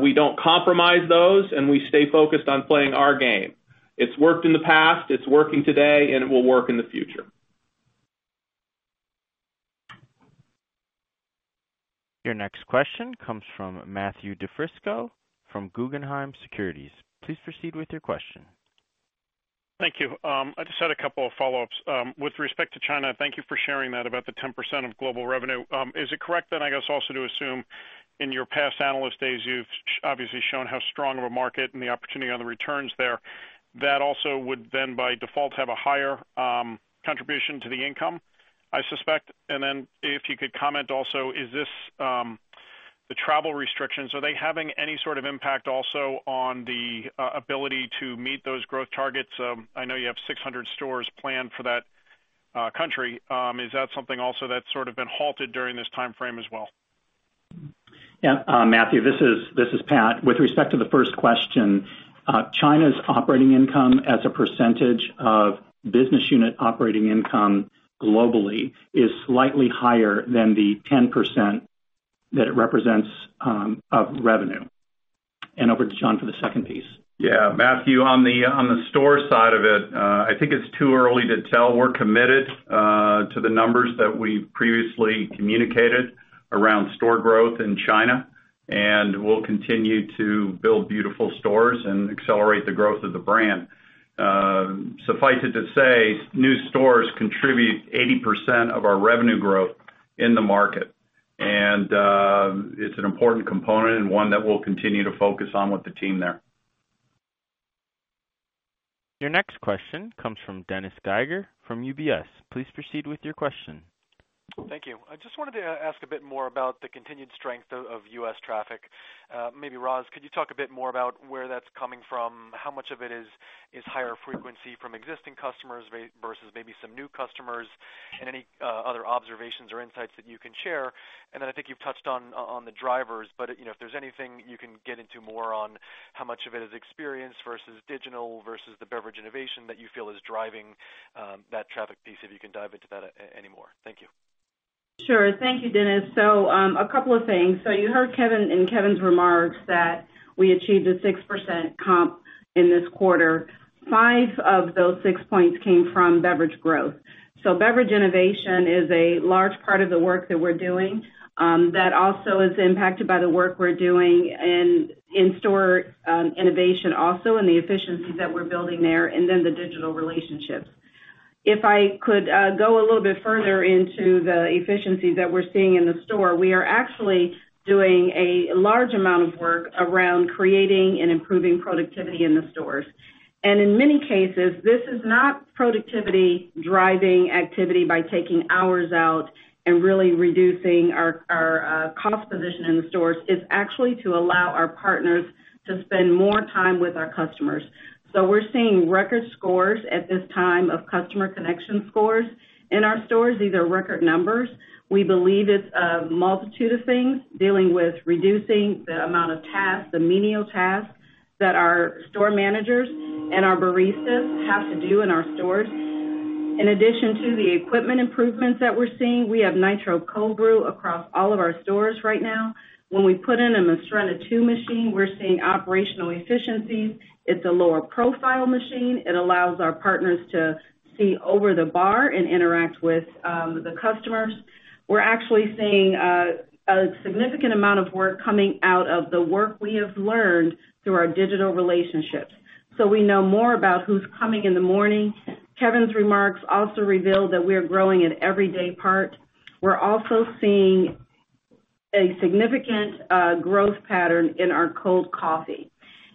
We don't compromise those, and we stay focused on playing our game. It's worked in the past, it's working today, and it will work in the future. Your next question comes from Matthew DiFrisco from Guggenheim Securities. Please proceed with your question. Thank you. I just had a couple of follow-ups. With respect to China, thank you for sharing that about the 10% of global revenue. Is it correct then, I guess, also to assume in your past analyst days, you've obviously shown how strong of a market and the opportunity on the returns there, that also would then by default have a higher contribution to the income, I suspect? If you could comment also, is this, the travel restrictions, are they having any sort of impact also on the ability to meet those growth targets? I know you have 600 stores planned for that country. Is that something also that's sort of been halted during this timeframe as well? Yeah. Matthew, this is Pat. With respect to the first question, China's operating income as a percentage of business unit operating income globally is slightly higher than the 10% that it represents of revenue. Over to John for the second piece. Yeah. Matthew, on the store side of it, I think it's too early to tell. We're committed to the numbers that we've previously communicated around store growth in China, and we'll continue to build beautiful stores and accelerate the growth of the brand. Suffice it to say, new stores contribute 80% of our revenue growth in the market. It's an important component and one that we'll continue to focus on with the team there. Your next question comes from Dennis Geiger from UBS. Please proceed with your question. Thank you. I just wanted to ask a bit more about the continued strength of U.S. traffic. Maybe Roz, could you talk a bit more about where that's coming from? How much of it is higher frequency from existing customers versus maybe some new customers? Any other observations or insights that you can share. Then I think you've touched on the drivers, but if there's anything you can get into more on how much of it is experience versus digital versus the beverage innovation that you feel is driving that traffic piece, if you can dive into that anymore. Thank you. Thank you, Dennis. A couple of things. You heard Kevin, in Kevin's remarks that we achieved a 6% comp in this quarter. Five of those six points came from beverage growth. Beverage innovation is a large part of the work that we're doing that also is impacted by the work we're doing in in-store innovation also, and the efficiencies that we're building there, and then the digital relationships. If I could go a little bit further into the efficiencies that we're seeing in the store, we are actually doing a large amount of work around creating and improving productivity in the stores. In many cases, this is not productivity driving activity by taking hours out and really reducing our cost position in the stores. It's actually to allow our partners to spend more time with our customers. We're seeing record scores at this time of customer connection scores in our stores. These are record numbers. We believe it's a multitude of things dealing with reducing the amount of tasks, the menial tasks that our store managers and our baristas have to do in our stores. In addition to the equipment improvements that we're seeing, we have Nitro Cold Brew across all of our stores right now. When we put in a Mastrena II machine, we're seeing operational efficiencies. It's a lower profile machine. It allows our partners to see over the bar and interact with the customers. We're actually seeing a significant amount of work coming out of the work we have learned through our digital relationships. We know more about who's coming in the morning. Kevin's remarks also revealed that we're growing an everyday part. We're also seeing a significant growth pattern in our cold coffee.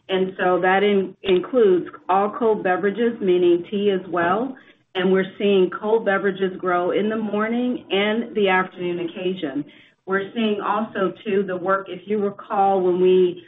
That includes all cold beverages, meaning tea as well. We're seeing cold beverages grow in the morning and the afternoon occasion. We're seeing also too, the work, if you recall, when we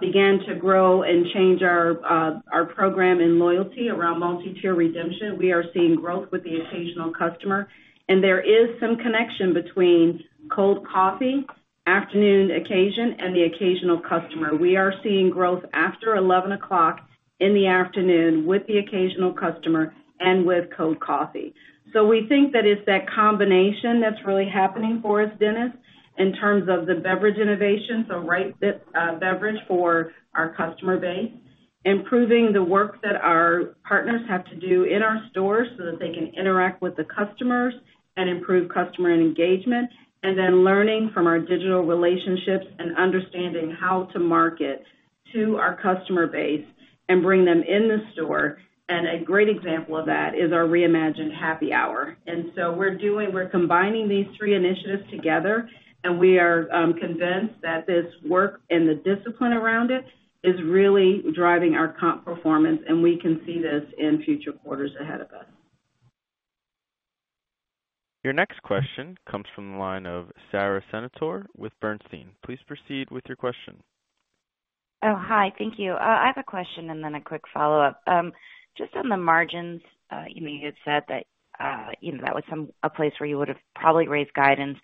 began to grow and change our program in loyalty around multi-tier redemption, we are seeing growth with the occasional customer. There is some connection between cold coffee, afternoon occasion, and the occasional customer. We are seeing growth after 11 o'clock in the afternoon with the occasional customer and with cold coffee. We think that it's that combination that's really happening for us, Dennis, in terms of the beverage innovation, right beverage for our customer base, improving the work that our partners have to do in our stores so that they can interact with the customers and improve customer engagement, and then learning from our digital relationships and understanding how to market to our customer base and bring them in the store. A great example of that is our reimagined Happy Hour. We're combining these three initiatives together, and we are convinced that this work and the discipline around it is really driving our comp performance, and we can see this in future quarters ahead of us. Your next question comes from the line of Sara Senatore with Bernstein. Please proceed with your question. Oh, hi. Thank you. I have a question and then a quick follow-up. Just on the margins, you had said that was a place where you would have probably raised guidance.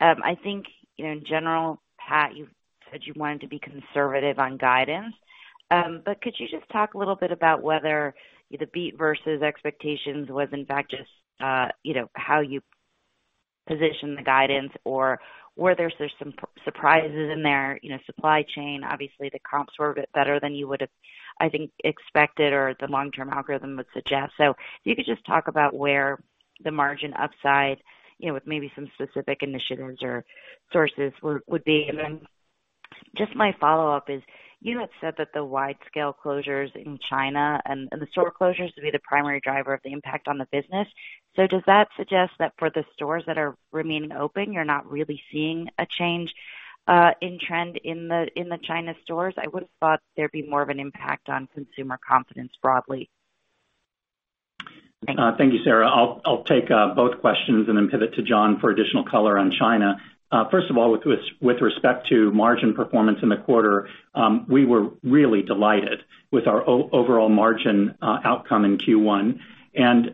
I think, in general, Pat, you said you wanted to be conservative on guidance. Could you just talk a little bit about whether the beat versus expectations was in fact just how you position the guidance or were there some surprises in there, supply chain, obviously the comps were a bit better than you would have, I think, expected or the long-term algorithm would suggest. If you could just talk about where the margin upside, with maybe some specific initiatives or sources would be. Just my follow-up is, you had said that the wide-scale closures in China and the store closures to be the primary driver of the impact on the business. Does that suggest that for the stores that are remaining open, you're not really seeing a change in trend in the China stores? I would have thought there'd be more of an impact on consumer confidence broadly. Thank you, Sara. I'll take both questions and then pivot to John for additional color on China. First of all, with respect to margin performance in the quarter, we were really delighted with our overall margin outcome in Q1.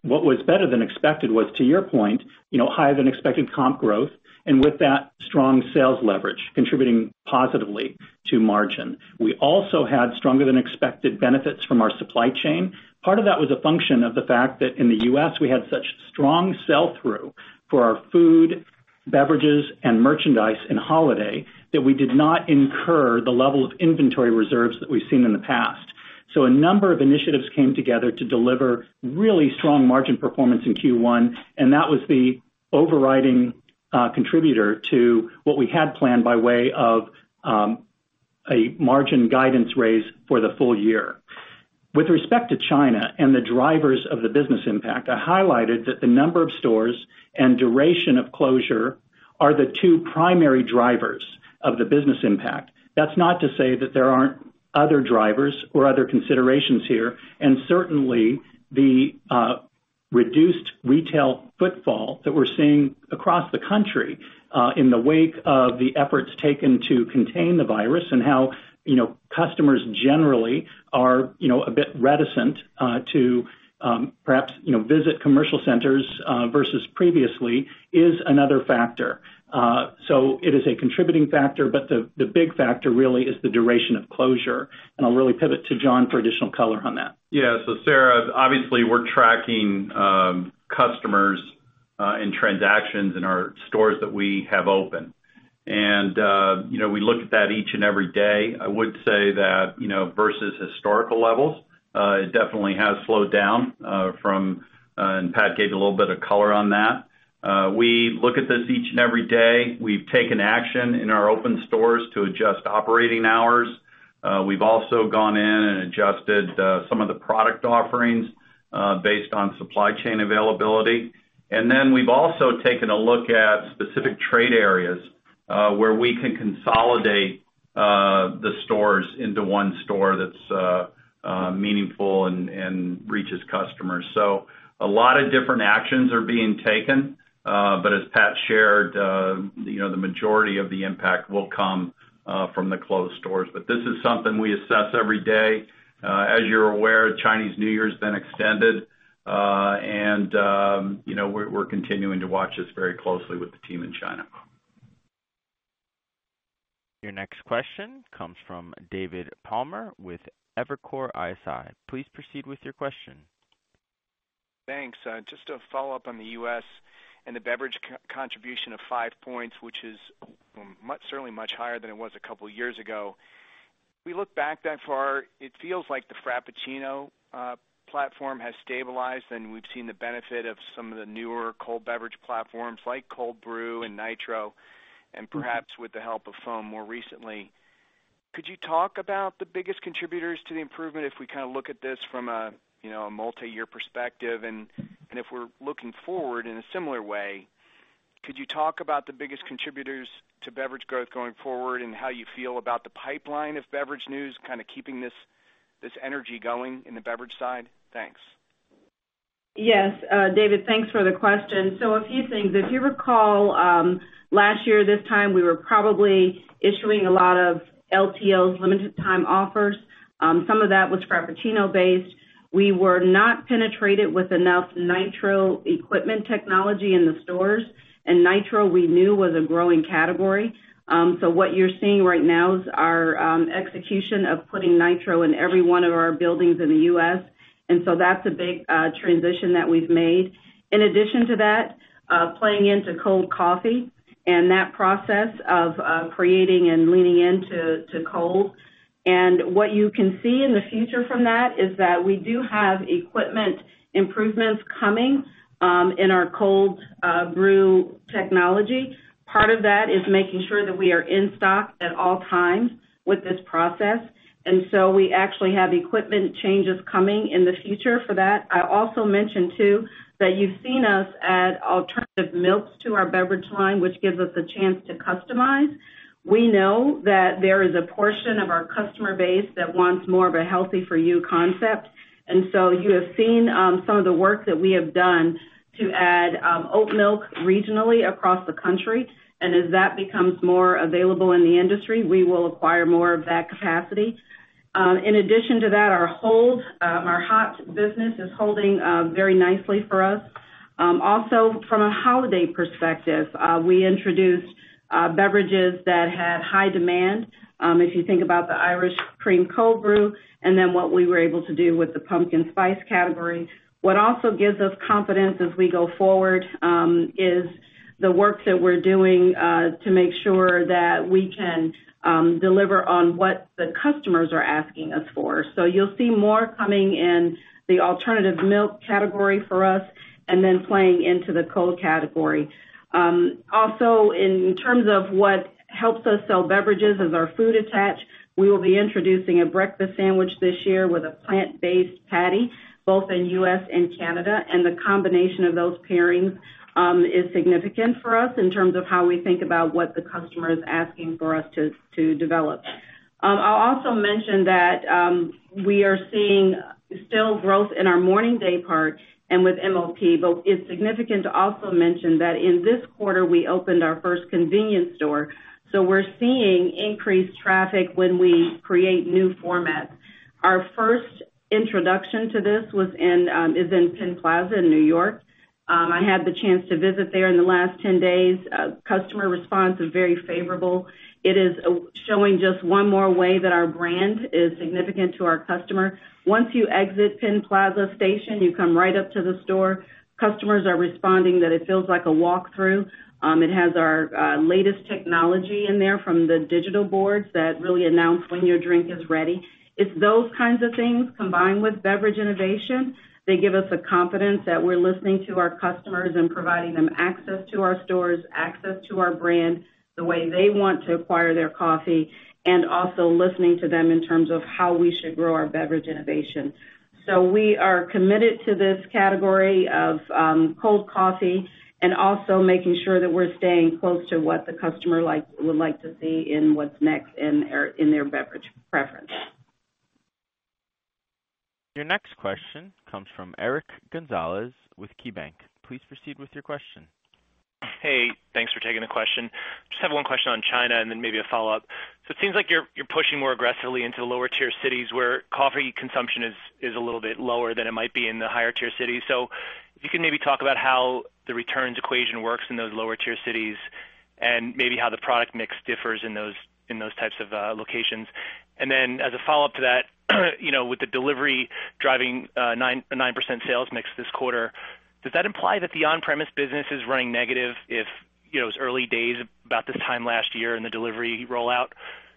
What was better than expected was, to your point, higher than expected comp growth, and with that, strong sales leverage contributing positively to margin. We also had stronger than expected benefits from our supply chain. Part of that was a function of the fact that in the U.S., we had such strong sell-through for our food, beverages, and merchandise in holiday that we did not incur the level of inventory reserves that we've seen in the past. A number of initiatives came together to deliver really strong margin performance in Q1, and that was the overriding contributor to what we had planned by way of a margin guidance raise for the full year. With respect to China and the drivers of the business impact, I highlighted that the number of stores and duration of closure are the two primary drivers of the business impact. That's not to say that there aren't other drivers or other considerations here, and certainly the reduced retail footfall that we're seeing across the country, in the wake of the efforts taken to contain the virus and how customers generally are a bit reticent to perhaps visit commercial centers versus previously is another factor. It is a contributing factor, but the big factor really is the duration of closure, and I'll really pivot to John for additional color on that. Yeah. Sara, obviously, we're tracking customers and transactions in our stores that we have open. We look at that each and every day. I would say that versus historical levels, it definitely has slowed down from, and Pat gave a little bit of color on that. We look at this each and every day. We've taken action in our open stores to adjust operating hours. We've also gone in and adjusted some of the product offerings based on supply chain availability. We've also taken a look at specific trade areas, where we can consolidate the stores into one store that's meaningful and reaches customers. A lot of different actions are being taken. As Pat shared, the majority of the impact will come from the closed stores. This is something we assess every day. As you're aware, Chinese New Year's been extended. We're continuing to watch this very closely with the team in China. Your next question comes from David Palmer with Evercore ISI. Please proceed with your question. Thanks. Just a follow-up on the U.S. and the beverage contribution of five points, which is certainly much higher than it was a couple of years ago. We look back that far, it feels like the Frappuccino platform has stabilized, and we've seen the benefit of some of the newer cold beverage platforms like Cold Brew and Nitro, and perhaps with the help of Cold Foam more recently. Could you talk about the biggest contributors to the improvement if we kind of look at this from a multi-year perspective and if we're looking forward in a similar way? Could you talk about the biggest contributors to beverage growth going forward and how you feel about the pipeline of beverage news, kind of keeping this energy going in the beverage side? Thanks. Yes. David, thanks for the question. A few things. If you recall, last year this time we were probably issuing a lot of LTOs, Limited-Time Offers. Some of that was Frappuccino based. We were not penetrated with enough Nitro equipment technology in the stores, and Nitro we knew was a growing category. What you're seeing right now is our execution of putting Nitro in every one of our buildings in the U.S., that's a big transition that we've made. In addition to that, playing into cold coffee and that process of creating and leaning into cold. What you can see in the future from that is that we do have equipment improvements coming in our cold brew technology. Part of that is making sure that we are in stock at all times with this process, and so we actually have equipment changes coming in the future for that. I also mentioned too, that you've seen us add alternative milks to our beverage line, which gives us a chance to customize. We know that there is a portion of our customer base that wants more of a healthy-for-you concept, and so you have seen some of the work that we have done to add oat milk regionally across the country. As that becomes more available in the industry, we will acquire more of that capacity. In addition to that, our hot business is holding very nicely for us. Also, from a holiday perspective, we introduced beverages that had high demand. If you think about the Irish Cream Cold Brew, what we were able to do with the pumpkin spice category. What also gives us confidence as we go forward, is the work that we're doing to make sure that we can deliver on what the customers are asking us for. You'll see more coming in the alternative milk category for us and then playing into the cold category. Also, in terms of what helps us sell beverages as our food attach, we will be introducing a breakfast sandwich this year with a plant-based patty, both in U.S. and Canada. The combination of those pairings is significant for us in terms of how we think about what the customer is asking for us to develop. I'll also mention that we are seeing still growth in our morning day part and with MOP, but it's significant to also mention that in this quarter we opened our first convenience store. We're seeing increased traffic when we create new formats. Our first introduction to this is in Penn Plaza in New York. I had the chance to visit there in the last 10 days. Customer response is very favorable. It is showing just one more way that our brand is significant to our customer. Once you exit Penn Plaza station, you come right up to the store. Customers are responding that it feels like a walk-through. It has our latest technology in there from the digital boards that really announce when your drink is ready. It's those kinds of things, combined with beverage innovation, that give us the confidence that we're listening to our customers and providing them access to our stores, access to our brand the way they want to acquire their coffee, and also listening to them in terms of how we should grow our beverage innovation. We are committed to this category of cold coffee and also making sure that we're staying close to what the customer would like to see in what's next in their beverage preference. Your next question comes from Eric Gonzalez with KeyBanc. Please proceed with your question. Hey, thanks for taking the question. Just have one question on China and maybe a follow-up. It seems like you're pushing more aggressively into the lower tier cities where coffee consumption is a little bit lower than it might be in the higher tier cities. If you can maybe talk about how the returns equation works in those lower tier cities and maybe how the product mix differs in those types of locations. As a follow-up to that, with the delivery driving a 9% sales mix this quarter, does that imply that the on-premise business is running negative if it was early days about this time last year in the delivery rollout?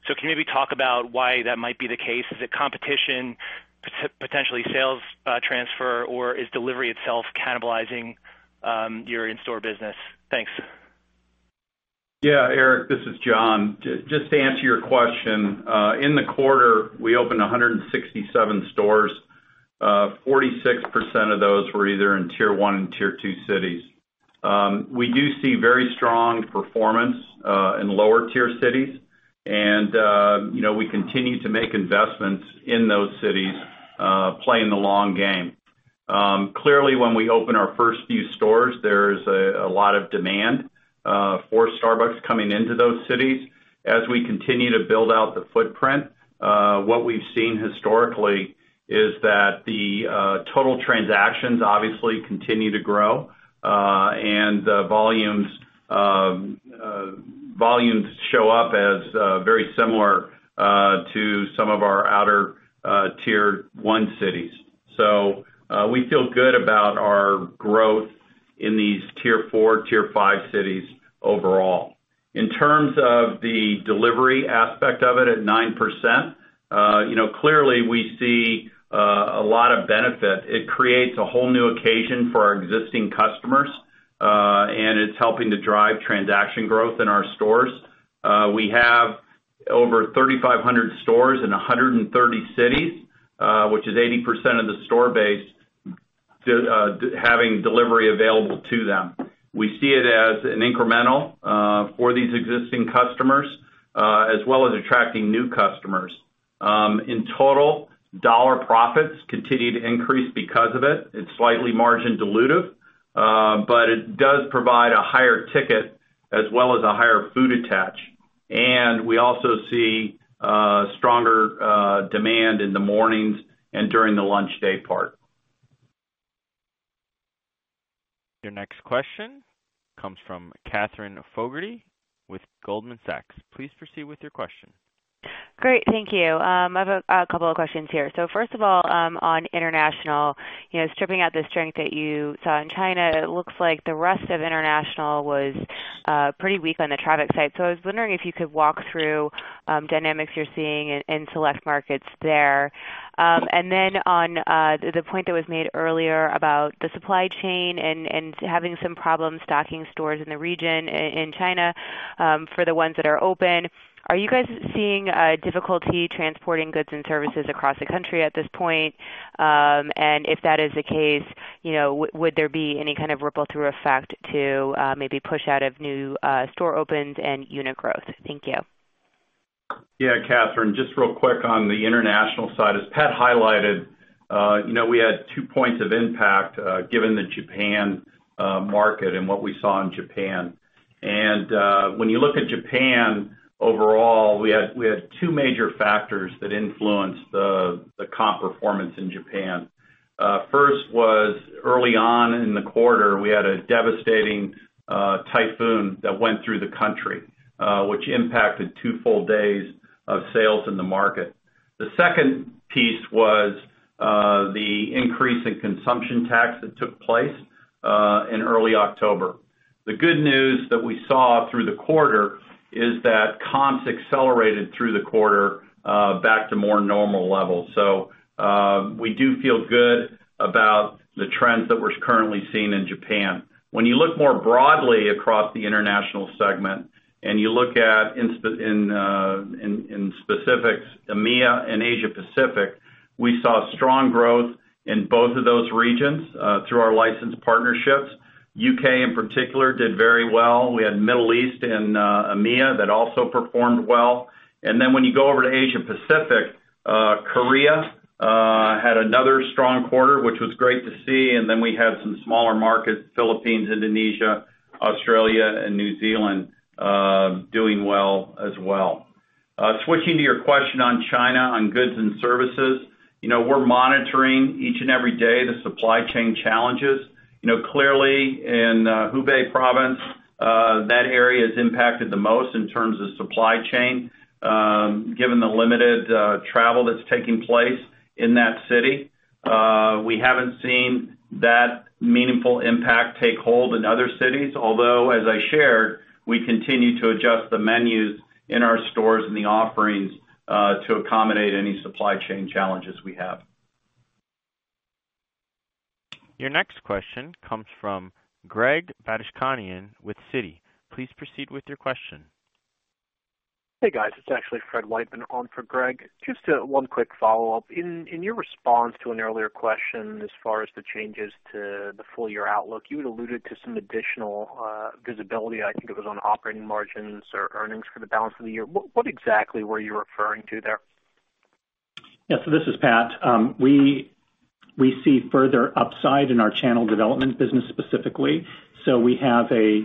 Can you maybe talk about why that might be the case? Is it competition, potentially sales transfer, or is delivery itself cannibalizing your in-store business? Thanks. Eric, this is John. Just to answer your question. In the quarter, we opened 167 stores. 46% of those were either in tier 1 and tier 2 cities. We do see very strong performance in lower tier cities. We continue to make investments in those cities, playing the long game. Clearly, when we open our first few stores, there's a lot of demand for Starbucks coming into those cities. As we continue to build out the footprint, what we've seen historically is that the total transactions obviously continue to grow, and volumes show up as very similar to some of our outer tier 1 cities. We feel good about our growth in these tier 4, tier 5 cities overall. In terms of the delivery aspect of it at 9%, clearly we see a lot of benefit. It creates a whole new occasion for our existing customers, and it's helping to drive transaction growth in our stores. We have over 3,500 stores in 130 cities, which is 80% of the store base, having delivery available to them. We see it as an incremental for these existing customers, as well as attracting new customers. In total, dollar profits continue to increase because of it. It's slightly margin dilutive. It does provide a higher ticket as well as a higher food attach. We also see stronger demand in the mornings and during the lunch daypart. Your next question comes from Katherine Fogertey with Goldman Sachs. Please proceed with your question. Great. Thank you. I have a couple of questions here. First of all, on international, stripping out the strength that you saw in China, it looks like the rest of international was pretty weak on the traffic side. I was wondering if you could walk through dynamics you're seeing in select markets there. On the point that was made earlier about the supply chain and having some problems stocking stores in the region in China, for the ones that are open, are you guys seeing difficulty transporting goods and services across the country at this point? If that is the case, would there be any kind of ripple-through effect to maybe push out of new store opens and unit growth? Thank you. Yeah, Katherine, just real quick on the international side, as Pat highlighted, we had two points of impact, given the Japan market and what we saw in Japan. When you look at Japan overall, we had two major factors that influenced the comp performance in Japan. First was early on in the quarter, we had a devastating typhoon that went through the country, which impacted two full days of sales in the market. The second piece was the increase in consumption tax that took place in early October. The good news that we saw through the quarter is that comps accelerated through the quarter back to more normal levels. We do feel good about the trends that we're currently seeing in Japan. When you look more broadly across the international segment, you look at in specifics, EMEA and Asia Pacific, we saw strong growth in both of those regions, through our licensed partnerships. U.K. in particular, did very well. We had Middle East and EMEA that also performed well. When you go over to Asia Pacific, Korea had another strong quarter, which was great to see. We had some smaller markets, Philippines, Indonesia, Australia, and New Zealand, doing well as well. Switching to your question on China, on goods and services, we're monitoring each and every day the supply chain challenges. Clearly in Hubei province, that area is impacted the most in terms of supply chain, given the limited travel that's taking place in that city. We haven't seen that meaningful impact take hold in other cities, although, as I shared, we continue to adjust the menus in our stores and the offerings to accommodate any supply chain challenges we have. Your next question comes from Greg Badishkanian with Citi. Please proceed with your question. Hey, guys. It's actually Fred Wightman on for Greg. Just one quick follow-up. In your response to an earlier question, as far as the changes to the full-year outlook, you had alluded to some additional visibility. I think it was on operating margins or earnings for the balance of the year. What exactly were you referring to there? Yeah. This is Pat. We see further upside in our Channel Development business specifically. We have a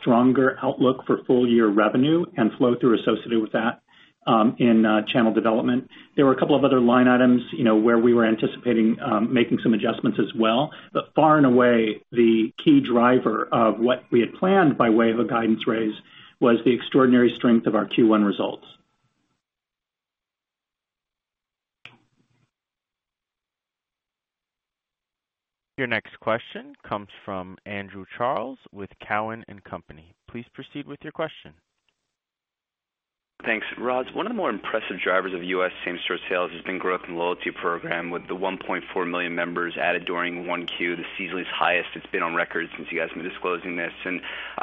stronger outlook for full-year revenue and flow-through associated with that, in Channel Development. There were a couple of other line items where we were anticipating making some adjustments as well. Far and away, the key driver of what we had planned by way of a guidance raise was the extraordinary strength of our Q1 results. Your next question comes from Andrew Charles with Cowen and Company. Please proceed with your question. Thanks. Roz, one of the more impressive drivers of U.S. same-store sales has been growth in the loyalty program with the 1.4 million members added during 1Q, the seasonally highest it's been on record since you guys have been disclosing this.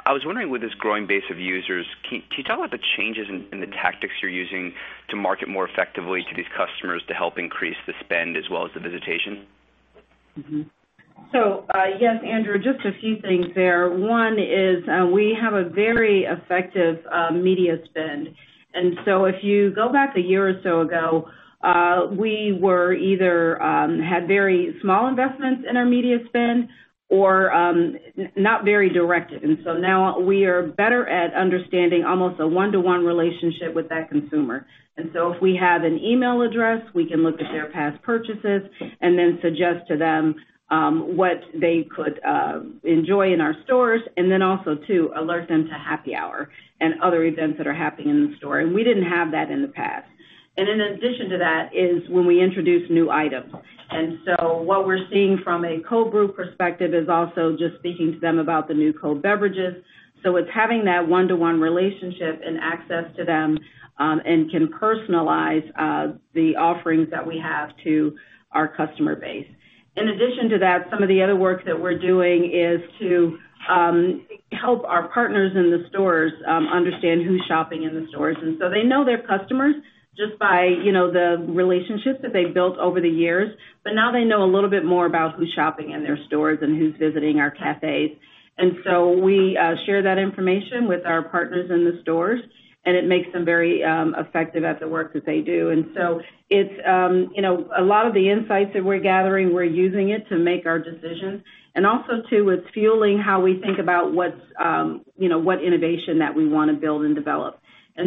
I was wondering, with this growing base of users, can you talk about the changes in the tactics you're using to market more effectively to these customers to help increase the spend as well as the visitation? Yes, Andrew, just a few things there. One is, we have a very effective media spend. If you go back a year or so ago, we were either had very small investments in our media spend or not very directed. Now we are better at understanding almost a one-to-one relationship with that consumer. If we have an email address, we can look at their past purchases and then suggest to them what they could enjoy in our stores and then also too alert them to happy hour and other events that are happening in the store. We didn't have that in the past. In addition to that is when we introduce new items. What we're seeing from a Cold Brew perspective is also just speaking to them about the new cold beverages. It's having that one-to-one relationship and access to them, and can personalize the offerings that we have to our customer base. In addition to that, some of the other work that we're doing is to help our partners in the stores understand who's shopping in the stores. They know their customers just by the relationships that they've built over the years. Now they know a little bit more about who's shopping in their stores and who's visiting our cafes. We share that information with our partners in the stores, and it makes them very effective at the work that they do. A lot of the insights that we're gathering, we're using it to make our decisions. Also too, it's fueling how we think about what innovation that we want to build and develop.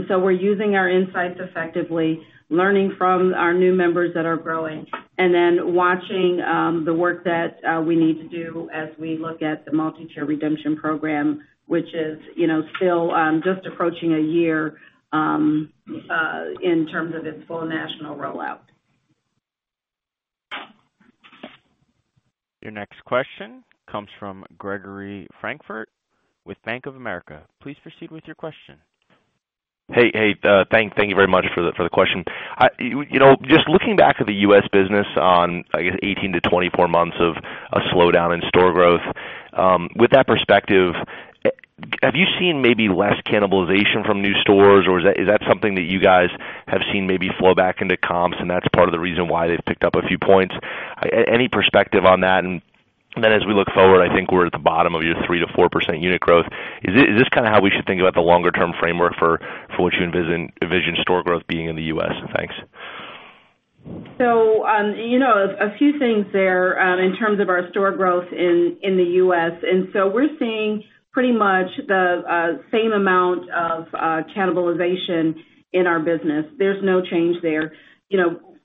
We're using our insights effectively, learning from our new members that are growing, and then watching the work that we need to do as we look at the multi-tier redemption program, which is still just approaching a year, in terms of its full national rollout. Your next question comes from Gregory Francfort with Bank of America. Please proceed with your question. Hey. Thank you very much for the question. Just looking back at the U.S. business on, I guess, 18-24 months of a slowdown in store growth, with that perspective, have you seen maybe less cannibalization from new stores or is that something that you guys have seen maybe flow back into comps and that's part of the reason why they've picked up a few points? Any perspective on that? As we look forward, I think we're at the bottom of your 3%-4% unit growth. Is this how we should think about the longer-term framework for what you envision store growth being in the U.S.? Thanks. A few things there, in terms of our store growth in the U.S. We're seeing pretty much the same amount of cannibalization in our business. There's no change there.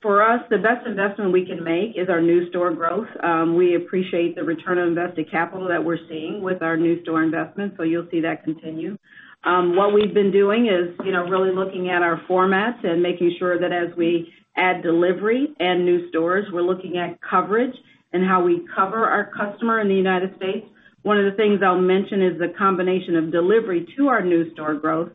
For us, the best investment we can make is our new store growth. We appreciate the return on invested capital that we're seeing with our new store investments, so you'll see that continue. What we've been doing is really looking at our formats and making sure that as we add delivery and new stores, we're looking at coverage and how we cover our customer in the United States. One of the things I'll mention is the combination of delivery to our new store growth.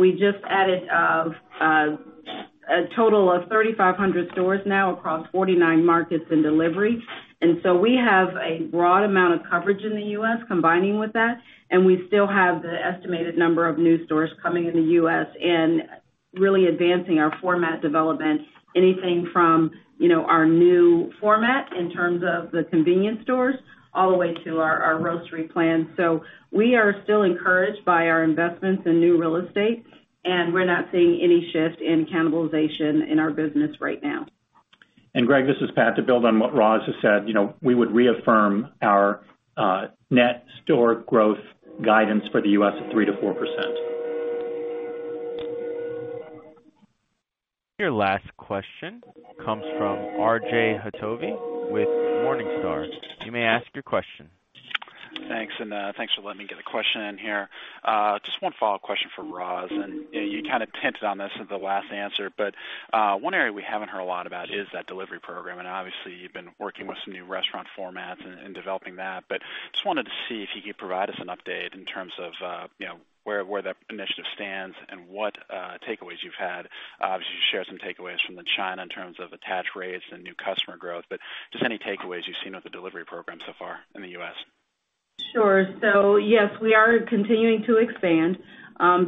We just added a total of 3,500 stores now across 49 markets in delivery. We have a broad amount of coverage in the U.S. combining with that, and we still have the estimated number of new stores coming in the U.S. and really advancing our format development, anything from our new format in terms of the convenience stores, all the way to our grocery plan. We are still encouraged by our investments in new real estate, and we're not seeing any shift in cannibalization in our business right now. Greg, this is Pat. To build on what Roz has said, we would reaffirm our net store growth guidance for the U.S. of 3%-4%. Your last question comes from R.J. Hottovy with Morningstar. You may ask your question. Thanks, and thanks for letting me get a question in here. Just one follow-up question for Roz, and you kind of hinted on this with the last answer, but one area we haven't heard a lot about is that delivery program, and obviously you've been working with some new restaurant formats and developing that. Just wanted to see if you could provide us an update in terms of where that initiative stands and what takeaways you've had. Obviously, you shared some takeaways from the China in terms of attach rates and new customer growth, but just any takeaways you've seen with the delivery program so far in the U.S. Sure. Yes, we are continuing to expand.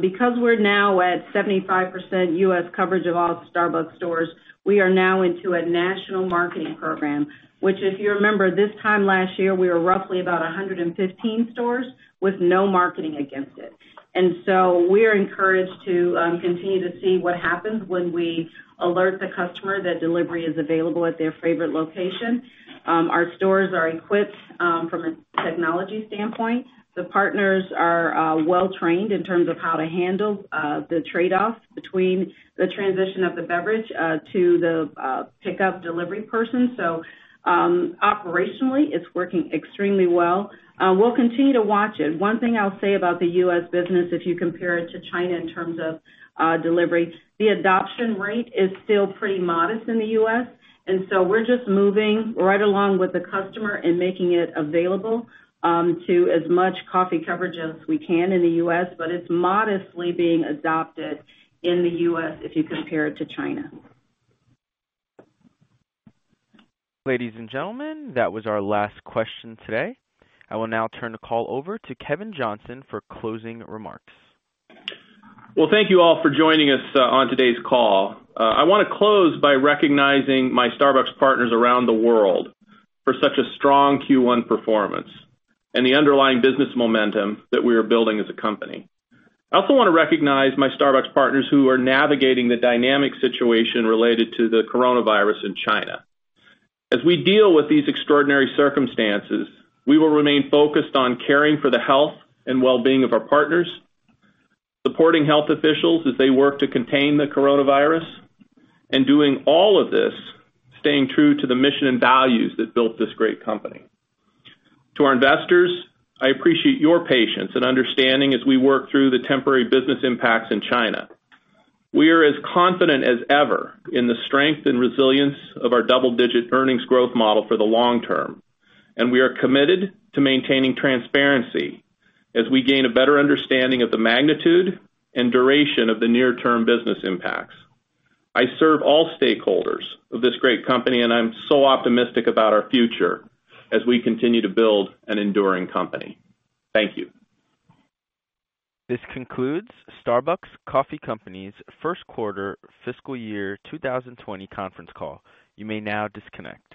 Because we're now at 75% U.S. coverage of all Starbucks stores, we are now into a national marketing program, which if you remember this time last year, we were roughly about 115 stores with no marketing against it. We're encouraged to continue to see what happens when we alert the customer that delivery is available at their favorite location. Our stores are equipped from a technology standpoint. The partners are well-trained in terms of how to handle the trade-off between the transition of the beverage to the pickup delivery person. Operationally, it's working extremely well. We'll continue to watch it. One thing I'll say about the U.S. business, if you compare it to China in terms of delivery, the adoption rate is still pretty modest in the U.S., and so we're just moving right along with the customer and making it available to as much coffee coverage as we can in the U.S., but it's modestly being adopted in the U.S. if you compare it to China. Ladies and gentlemen, that was our last question today. I will now turn the call over to Kevin Johnson for closing remarks. Well, thank you all for joining us on today's call. I want to close by recognizing my Starbucks partners around the world for such a strong Q1 performance and the underlying business momentum that we are building as a company. I also want to recognize my Starbucks partners who are navigating the dynamic situation related to the coronavirus in China. As we deal with these extraordinary circumstances, we will remain focused on caring for the health and well-being of our partners, supporting health officials as they work to contain the coronavirus, and doing all of this, staying true to the mission and values that built this great company. To our investors, I appreciate your patience and understanding as we work through the temporary business impacts in China. We are as confident as ever in the strength and resilience of our double-digit earnings growth model for the long term. We are committed to maintaining transparency as we gain a better understanding of the magnitude and duration of the near-term business impacts. I serve all stakeholders of this great company. I'm so optimistic about our future as we continue to build an enduring company. Thank you. This concludes Starbucks Coffee Company's first quarter fiscal year 2020 conference call. You may now disconnect.